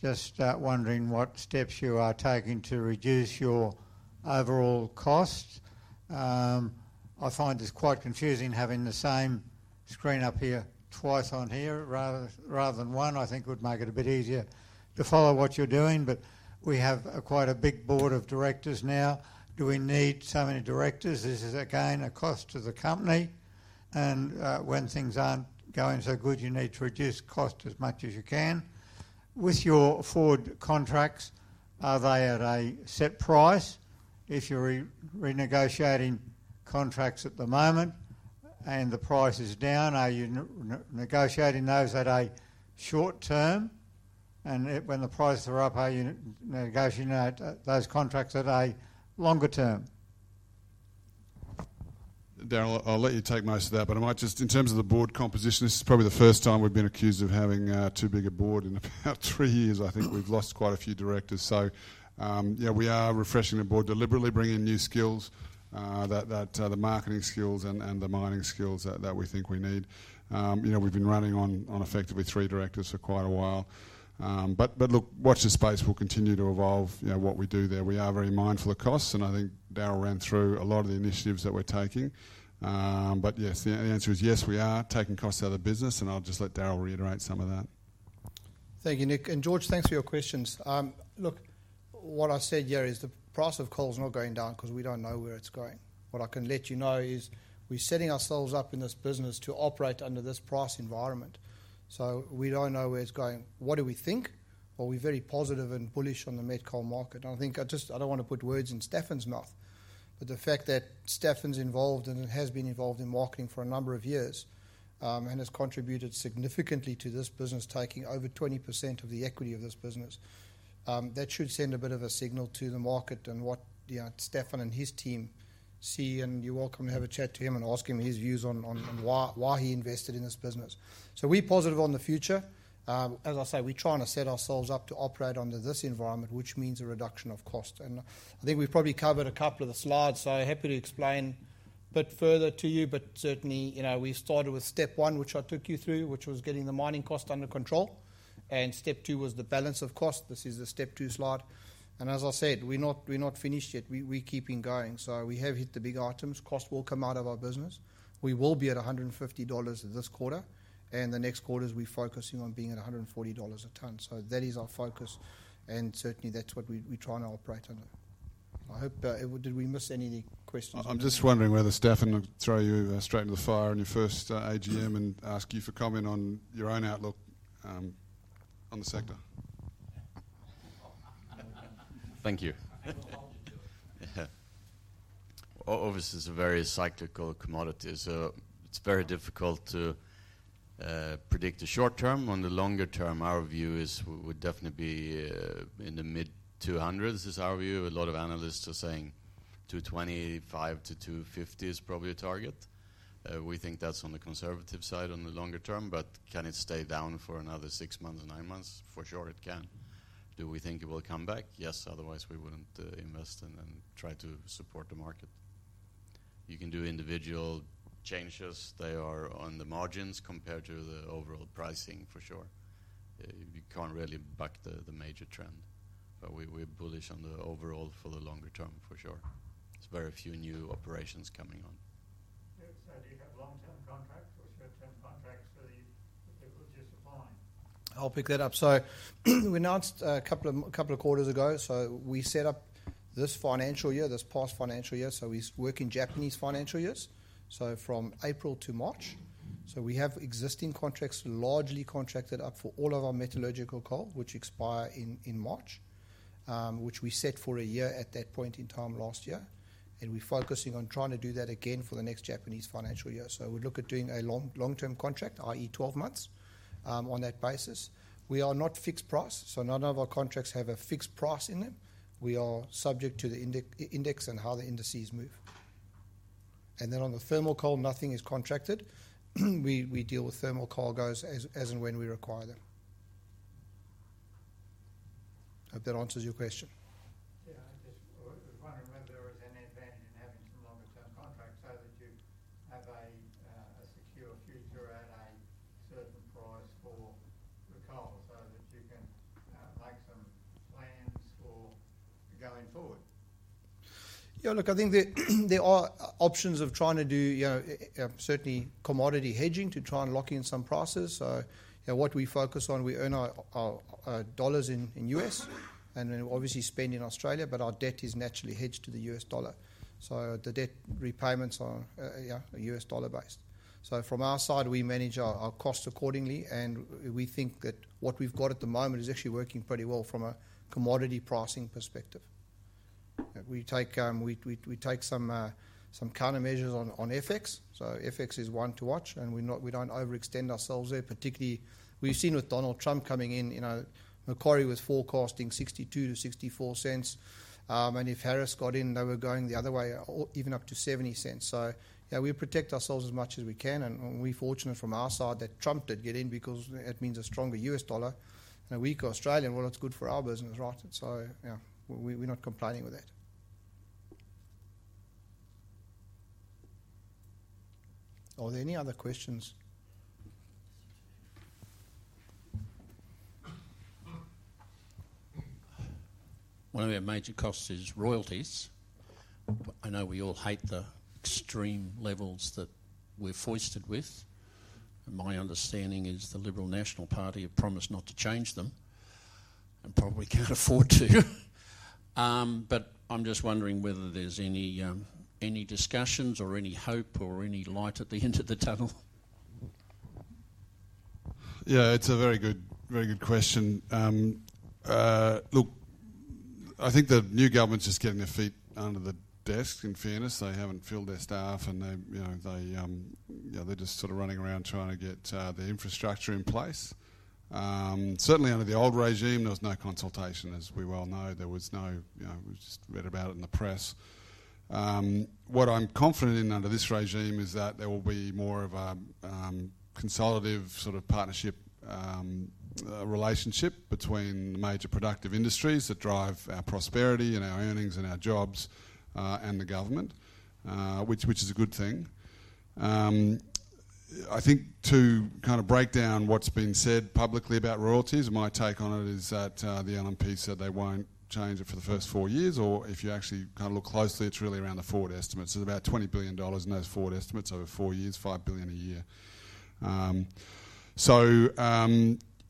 Just wondering what steps you are taking to reduce your overall cost. I find this quite confusing having the same screen up here twice on here rather than one. I think it would make it a bit easier to follow what you're doing. But we have quite a big board of directors now. Do we need so many directors? This is, again, a cost to the company. And when things aren't going so good, you need to reduce cost as much as you can. With your forward contracts, are they at a set price? If you're renegotiating contracts at the moment and the price is down, are you negotiating those at a short term? And when the prices are up, are you negotiating those contracts at a longer term? Daryl, I'll let you take most of that, but I might just, in terms of the board composition, this is probably the first time we've been accused of having too big a board. In about three years, I think we've lost quite a few directors. Yeah, we are refreshing the board deliberately, bringing in new skills, the marketing skills and the mining skills that we think we need. We've been running on effectively three directors for quite a while. But look, watch the space. We'll continue to evolve what we do there. We are very mindful of costs, and I think Daryl ran through a lot of the initiatives that we're taking. But yes, the answer is yes, we are taking costs out of the business, and I'll just let Daryl reiterate some of that. Thank you, Nick. And George, thanks for your questions. Look, what I said there is the price of coal is not going down because we don't know where it's going. What I can let you know is we're setting ourselves up in this business to operate under this price environment. So we don't know where it's going. What do we think? We're very positive and bullish on the met coal market. I think I just don't want to put words in Staffan's mouth, but the fact that Staffan's involved and has been involved in marketing for a number of years and has contributed significantly to this business, taking over 20% of the equity of this business, that should send a bit of a signal to the market and what Staffan and his team see. You're welcome to have a chat to him and ask him his views on why he invested in this business. We're positive on the future. We're trying to set ourselves up to operate under this environment, which means a reduction of cost. I think we've probably covered a couple of the slides, so I'm happy to explain a bit further to you. But certainly, we started with step one, which I took you through, which was getting the mining cost under control. And step two was the balance of cost. This is the step two slide. And as I said, we're not finished yet. We're keeping going. So we have hit the big items. Cost will come out of our business. We will be at 150 dollars this quarter. And the next quarters, we're focusing on being at 140 dollars a tonne. So that is our focus. And certainly, that's what we're trying to operate under. I hope. Did we miss any questions? I'm just wondering whether Staffan can throw you straight into the fire on your first AGM and ask you for comment on your own outlook on the sector. Thank you. Obviously, it's a very cyclical commodity. So it's very difficult to predict the short term. On the longer term, our view is we would definitely be in the mid $200s is our view. A lot of analysts are saying $225-$250 is probably a target. We think that's on the conservative side on the longer term. But can it stay down for another six months and nine months? For sure, it can. Do we think it will come back? Yes. Otherwise, we wouldn't invest and try to support the market. You can do individual changes. They are on the margins compared to the overall pricing, for sure. You can't really back the major trend. But we're bullish on the overall for the longer term, for sure. It's very few new operations coming on. Do you have long-term contracts or short-term contracts that people just apply? I'll pick that up. So we announced a couple of quarters ago. So we set up this financial year, this past financial year. So we work in Japanese financial years, so from April to March. So we have existing contracts largely contracted up for all of our metallurgical coal, which expire in March, which we set for a year at that point in time last year. And we're focusing on trying to do that again for the next Japanese financial year. So we look at doing a long-term contract, i.e., 12 months on that basis. We are not fixed price. So none of our contracts have a fixed price in them. We are subject to the index and how the indices move. And then on the thermal coal, nothing is contracted. We deal with thermal coal as and when we require them. I hope that answers your question. Yeah. I just want to remember there is an advantage in having some longer-term contracts so that you have a secure future at a certain price for the coal so that you can make some plans for going forward. Yeah. Look, I think there are options of trying to do certainly commodity hedging to try and lock in some prices, so what we focus on, we earn our dollars in the U.S. and then obviously spend in Australia, but our debt is naturally hedged to the U.S. dollar, so the debt repayments are U.S. dollar-based, so from our side, we manage our costs accordingly, and we think that what we've got at the moment is actually working pretty well from a commodity pricing perspective. We take some countermeasures on FX. So FX is one to watch, and we don't overextend ourselves there, particularly. We've seen with Donald Trump coming in. Macquarie was forecasting 62-64 cents. And if Harris got in, they were going the other way, even up to 70 cents. So we protect ourselves as much as we can. And we're fortunate from our side that Trump did get in because it means a stronger US dollar. And weakness of the AUD, well, it's good for our business, right? So yeah, we're not complaining with that. Are there any other questions? One of our major costs is royalties. I know we all hate the extreme levels that we're foisted with. And my understanding is the Liberal National Party have promised not to change them and probably can't afford to. I'm just wondering whether there's any discussions or any hope or any light at the end of the tunnel. Yeah, it's a very good question. Look, I think the new government's just getting their feet under the desk, in fairness. They haven't filled their staff, and they're just sort of running around trying to get the infrastructure in place. Certainly, under the old regime, there was no consultation, as we well know. There was no - we just read about it in the press. What I'm confident in under this regime is that there will be more of a consultative sort of partnership relationship between the major productive industries that drive our prosperity and our earnings and our jobs and the government, which is a good thing. I think to kind of break down what's been said publicly about royalties, my take on it is that the LNP said they won't change it for the first four years, or if you actually kind of look closely, it's really around the forward estimates. There's about 20 billion dollars in those forward estimates over four years, 5 billion a year, so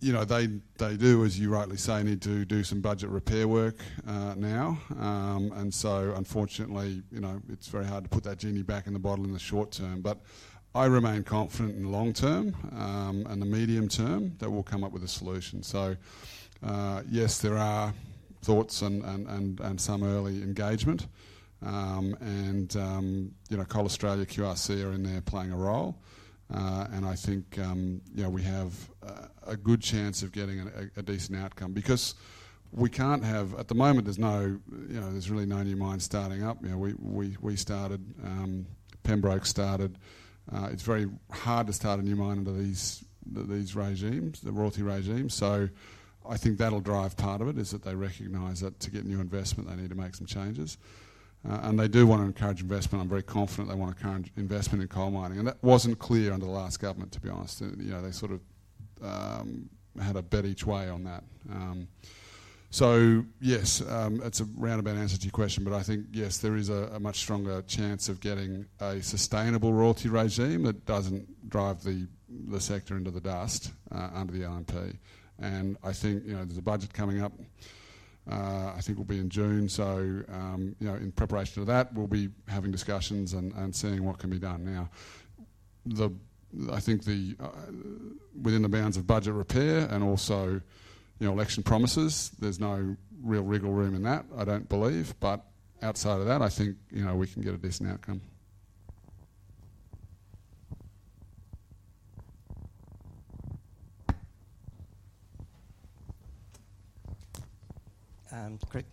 they do, as you rightly say, need to do some budget repair work now, and so, unfortunately, it's very hard to put that genie back in the bottle in the short term, but I remain confident in the long term and the medium term that we'll come up with a solution, so yes, there are thoughts and some early engagement, and Coal Australia, QRC are in there playing a role. I think we have a good chance of getting a decent outcome because we can't have, at the moment, there's really no new mines starting up. We started. Pembroke started. It's very hard to start a new mine under these regimes, the royalty regimes. So I think that'll drive part of it is that they recognize that to get new investment, they need to make some changes. And they do want to encourage investment. I'm very confident they want to encourage investment in coal mining. And that wasn't clear under the last government, to be honest. They sort of had a bet each way on that. So yes, that's a roundabout answer to your question. But I think, yes, there is a much stronger chance of getting a sustainable royalty regime that doesn't drive the sector into the dust under the LNP. And I think there's a budget coming up. I think we'll be in June, so in preparation to that, we'll be having discussions and seeing what can be done. Now, I think within the bounds of budget repair and also election promises, there's no real wiggle room in that, I don't believe, but outside of that, I think we can get a decent outcome.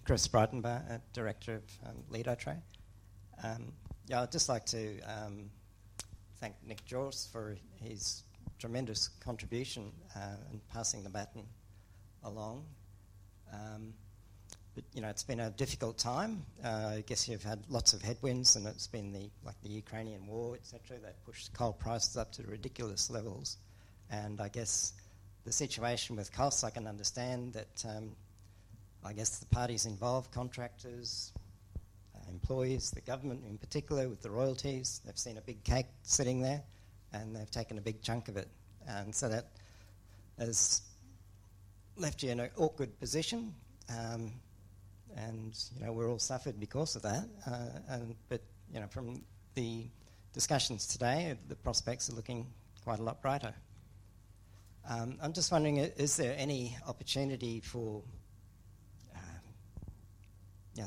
Chris Breitenberg, Director of Ledotre. Yeah, I'd just like to thank Nick Jorss for his tremendous contribution and passing the baton along, but it's been a difficult time. I guess you've had lots of headwinds, and it's been like the Ukrainian war, etc., that pushed coal prices up to ridiculous levels. And I guess the situation with costs, I can understand that I guess the parties involved, contractors, employees, the government in particular with the royalties, have seen a big cake sitting there, and they've taken a big chunk of it. That has left you in an awkward position. We've all suffered because of that. From the discussions today, the prospects are looking quite a lot brighter. I'm just wondering, is there any opportunity for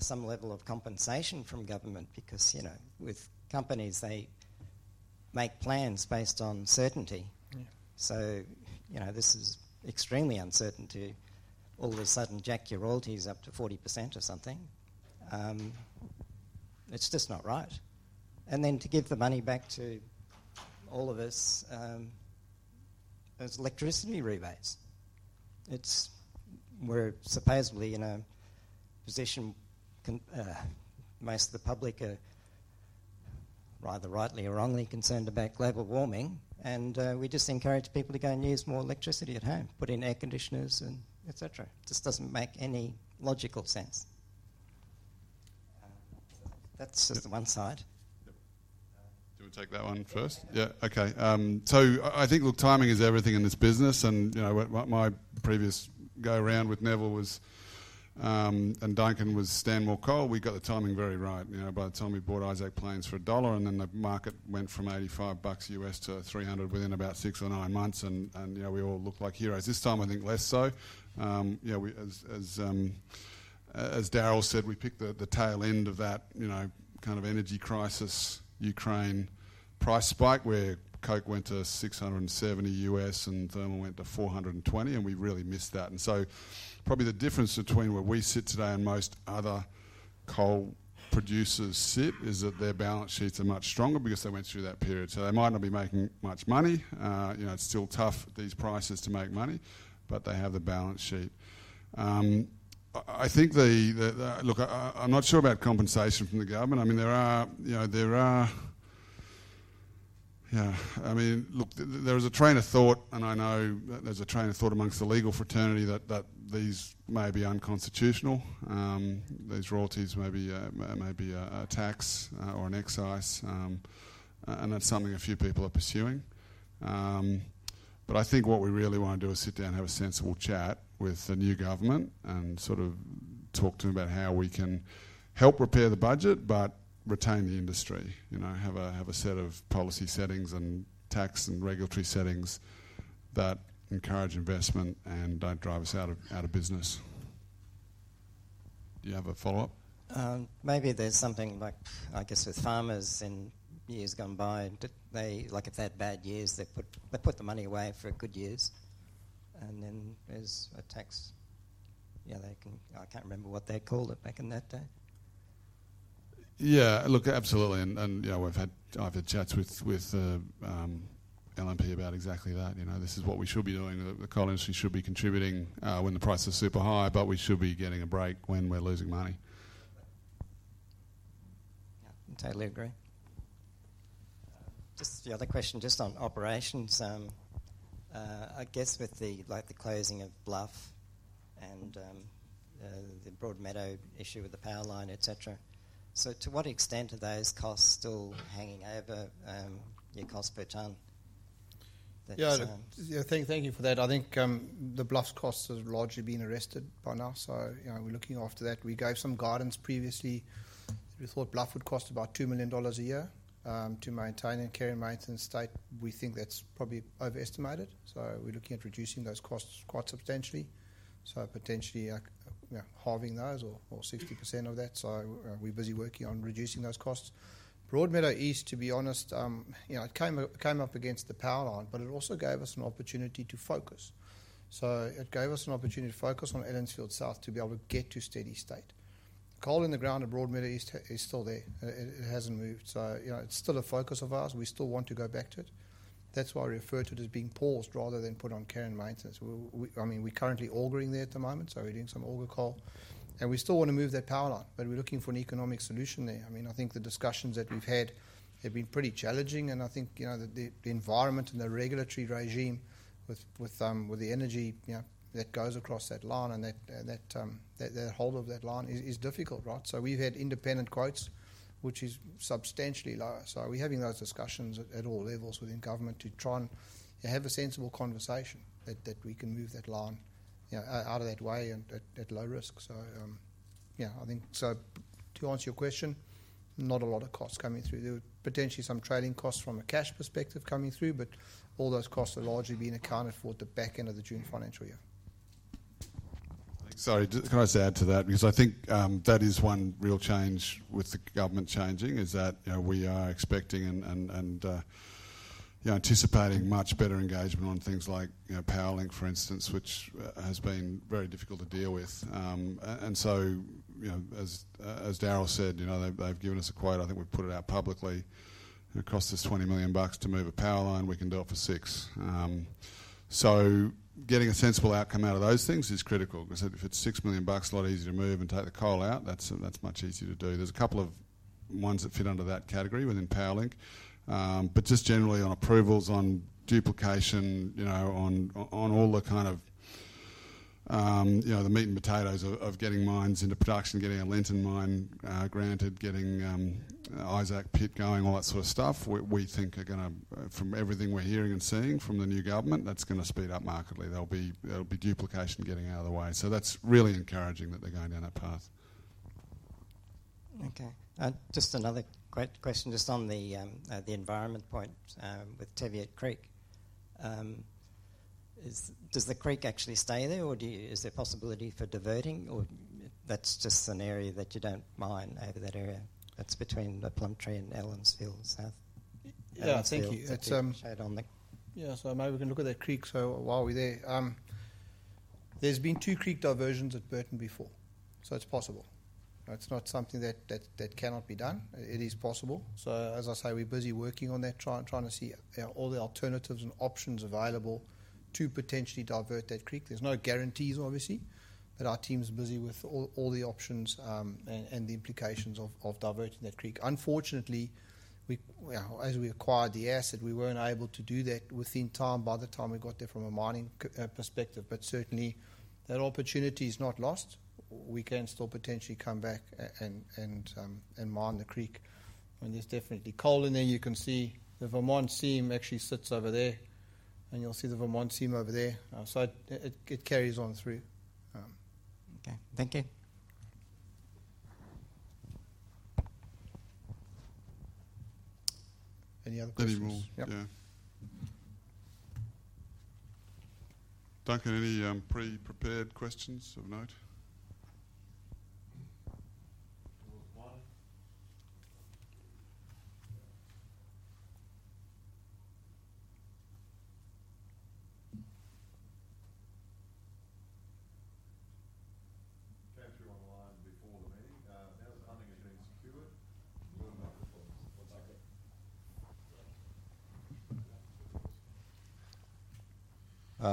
some level of compensation from government? Because with companies, they make plans based on certainty. This is extremely uncertain to all of a sudden jack your royalties up to 40% or something. It's just not right. Then to give the money back to all of us, there's electricity rebates. We're supposedly in a position most of the public are, either rightly or wrongly, concerned about global warming. We just encourage people to go and use more electricity at home, put in air conditioners, etc. It just doesn't make any logical sense. That's just the one side. Do you want to take that one first? Yeah. Okay. So I think, look, timing is everything in this business. And my previous go-around with Neville and Duncan was Stanmore Coal. We got the timing very right. By the time we bought Isaac Plains for $1, and then the market went from $85 to $300 within about six or nine months, and we all looked like heroes. This time, I think less so. As Daryl said, we picked the tail end of that kind of energy crisis, Ukraine price spike, where coke went to $670 and thermal went to $420, and we really missed that. And so probably the difference between where we sit today and most other coal producers sit is that their balance sheets are much stronger because they went through that period. So they might not be making much money. It's still tough at these prices to make money, but they have the balance sheet. I think, look, I'm not sure about compensation from the government. I mean, look, there is a train of thought, and I know there's a train of thought amongst the legal fraternity that these may be unconstitutional. These royalties may be a tax or an excise. And that's something a few people are pursuing. But I think what we really want to do is sit down, have a sensible chat with the new government, and sort of talk to them about how we can help repair the budget, but retain the industry, have a set of policy settings and tax and regulatory settings that encourage investment and don't drive us out of business. Do you have a follow-up? Maybe there's something like, I guess, with farmers in years gone by, like if they had bad years, they put the money away for good years. And then there's a tax, yeah, I can't remember what they called it back in that day. Yeah. Look, absolutely. And I've had chats with LNP about exactly that. This is what we should be doing. The coal industry should be contributing when the price is super high, but we should be getting a break when we're losing money. Yeah. I totally agree. Just the other question, just on operations. I guess with the closing of Bluff and the Broadmeadow issue with the power line, etc., so to what extent are those costs still hanging over your cost per ton? Yeah. Thank you for that. I think the Bluff's costs have largely been arrested by now. So we're looking after that. We gave some guidance previously. We thought Bluff would cost about 2 million dollars a year to maintain and carry maintenance state. We think that's probably overestimated, so we're looking at reducing those costs quite substantially, so potentially halving those or 60% of that. We're busy working on reducing those costs. Broadmeadow East, to be honest, it came up against the power line, but it also gave us an opportunity to focus, so it gave us an opportunity to focus on Ellensfield South to be able to get to steady state. Coal in the ground at Broadmeadow East is still there. It hasn't moved, so it's still a focus of ours. We still want to go back to it. That's why we refer to it as being paused rather than put on carrying maintenance. I mean, we're currently augering there at the moment, so we're doing some auger coal. And we still want to move that power line. But we're looking for an economic solution there. I mean, I think the discussions that we've had have been pretty challenging. And I think the environment and the regulatory regime with the energy that goes across that line and the holder of that line is difficult, right? So we've had independent quotes, which is substantially lower. So we're having those discussions at all levels within government to try and have a sensible conversation that we can move that line out of that way at low risk. So yeah, I think so to answer your question, not a lot of costs coming through. There were potentially some trading costs from a cash perspective coming through, but all those costs are largely being accounted for at the back end of the June financial year. Sorry. Can I just add to that? Because I think that is one real change with the government changing is that we are expecting and anticipating much better engagement on things like Powerlink, for instance, which has been very difficult to deal with. And so as Daryl said, they've given us a quote. I think we've put it out publicly. It costs us 20 million bucks to move a power line. We can do it for six. So getting a sensible outcome out of those things is critical. Because if it's 6 million bucks, a lot easier to move and take the coal out. That's much easier to do. There's a couple of ones that fit under that category within Powerlink. But just generally on approvals, on duplication, on all the kind of the meat and potatoes of getting mines into production, getting a Lenton mine granted, getting Isaac Plains going, all that sort of stuff, we think are going to, from everything we're hearing and seeing from the new government, that's going to speed up markedly. There'll be duplication getting out of the way. So that's really encouraging that they're going down that path. Okay. Just another great question just on the environment point with Teviot Creek. Does the creek actually stay there, or is there a possibility for diverting? Or that's just an area that you don't mind over that area? That's between the Plumtree and Ellensfield South. Yeah. Thank you. Yeah. So maybe we can look at that creek. So while we're there, there's been two creek diversions at Burton before. So it's possible. It's not something that cannot be done. It is possible. So as I say, we're busy working on that, trying to see all the alternatives and options available to potentially divert that creek. There's no guarantees, obviously, but our team's busy with all the options and the implications of diverting that creek. Unfortunately, as we acquired the asset, we weren't able to do that within time by the time we got there from a mining perspective. But certainly, that opportunity is not lost. We can still potentially come back and mine the creek. And there's definitely coal. And then you can see the Vermont seam actually sits over there. And you'll see the Vermont seam over there. So it carries on through. Okay. Thank you. Any other questions? Maybe rules. Yeah. Duncan, any pre-prepared questions of note?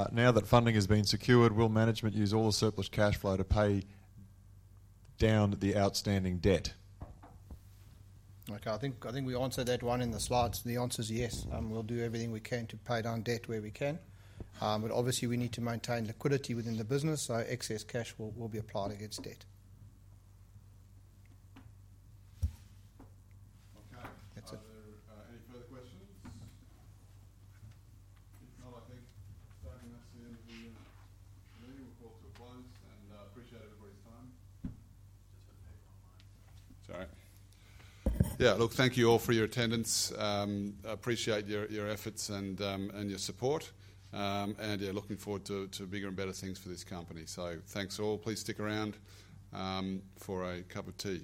Came through on the line before the meeting. Now that funding has been secured, will management use all the surplus cash flow to pay down the outstanding debt? Okay. I think we answered that one in the slides. The answer's yes. We'll do everything we can to pay down debt where we can. But obviously, we need to maintain liquidity within the business. So excess cash will be applied against debt. Okay. Are there any further questions? If not, I think, Duncan, that's the end of the meeting. We'll call to a close. And I appreciate everybody's time. Just had a ping online. Sorry. Yeah. Look, thank you all for your attendance. I appreciate your efforts and your support. And yeah, looking forward to bigger and better things for this company. So thanks all. Please stick around for a cup of tea.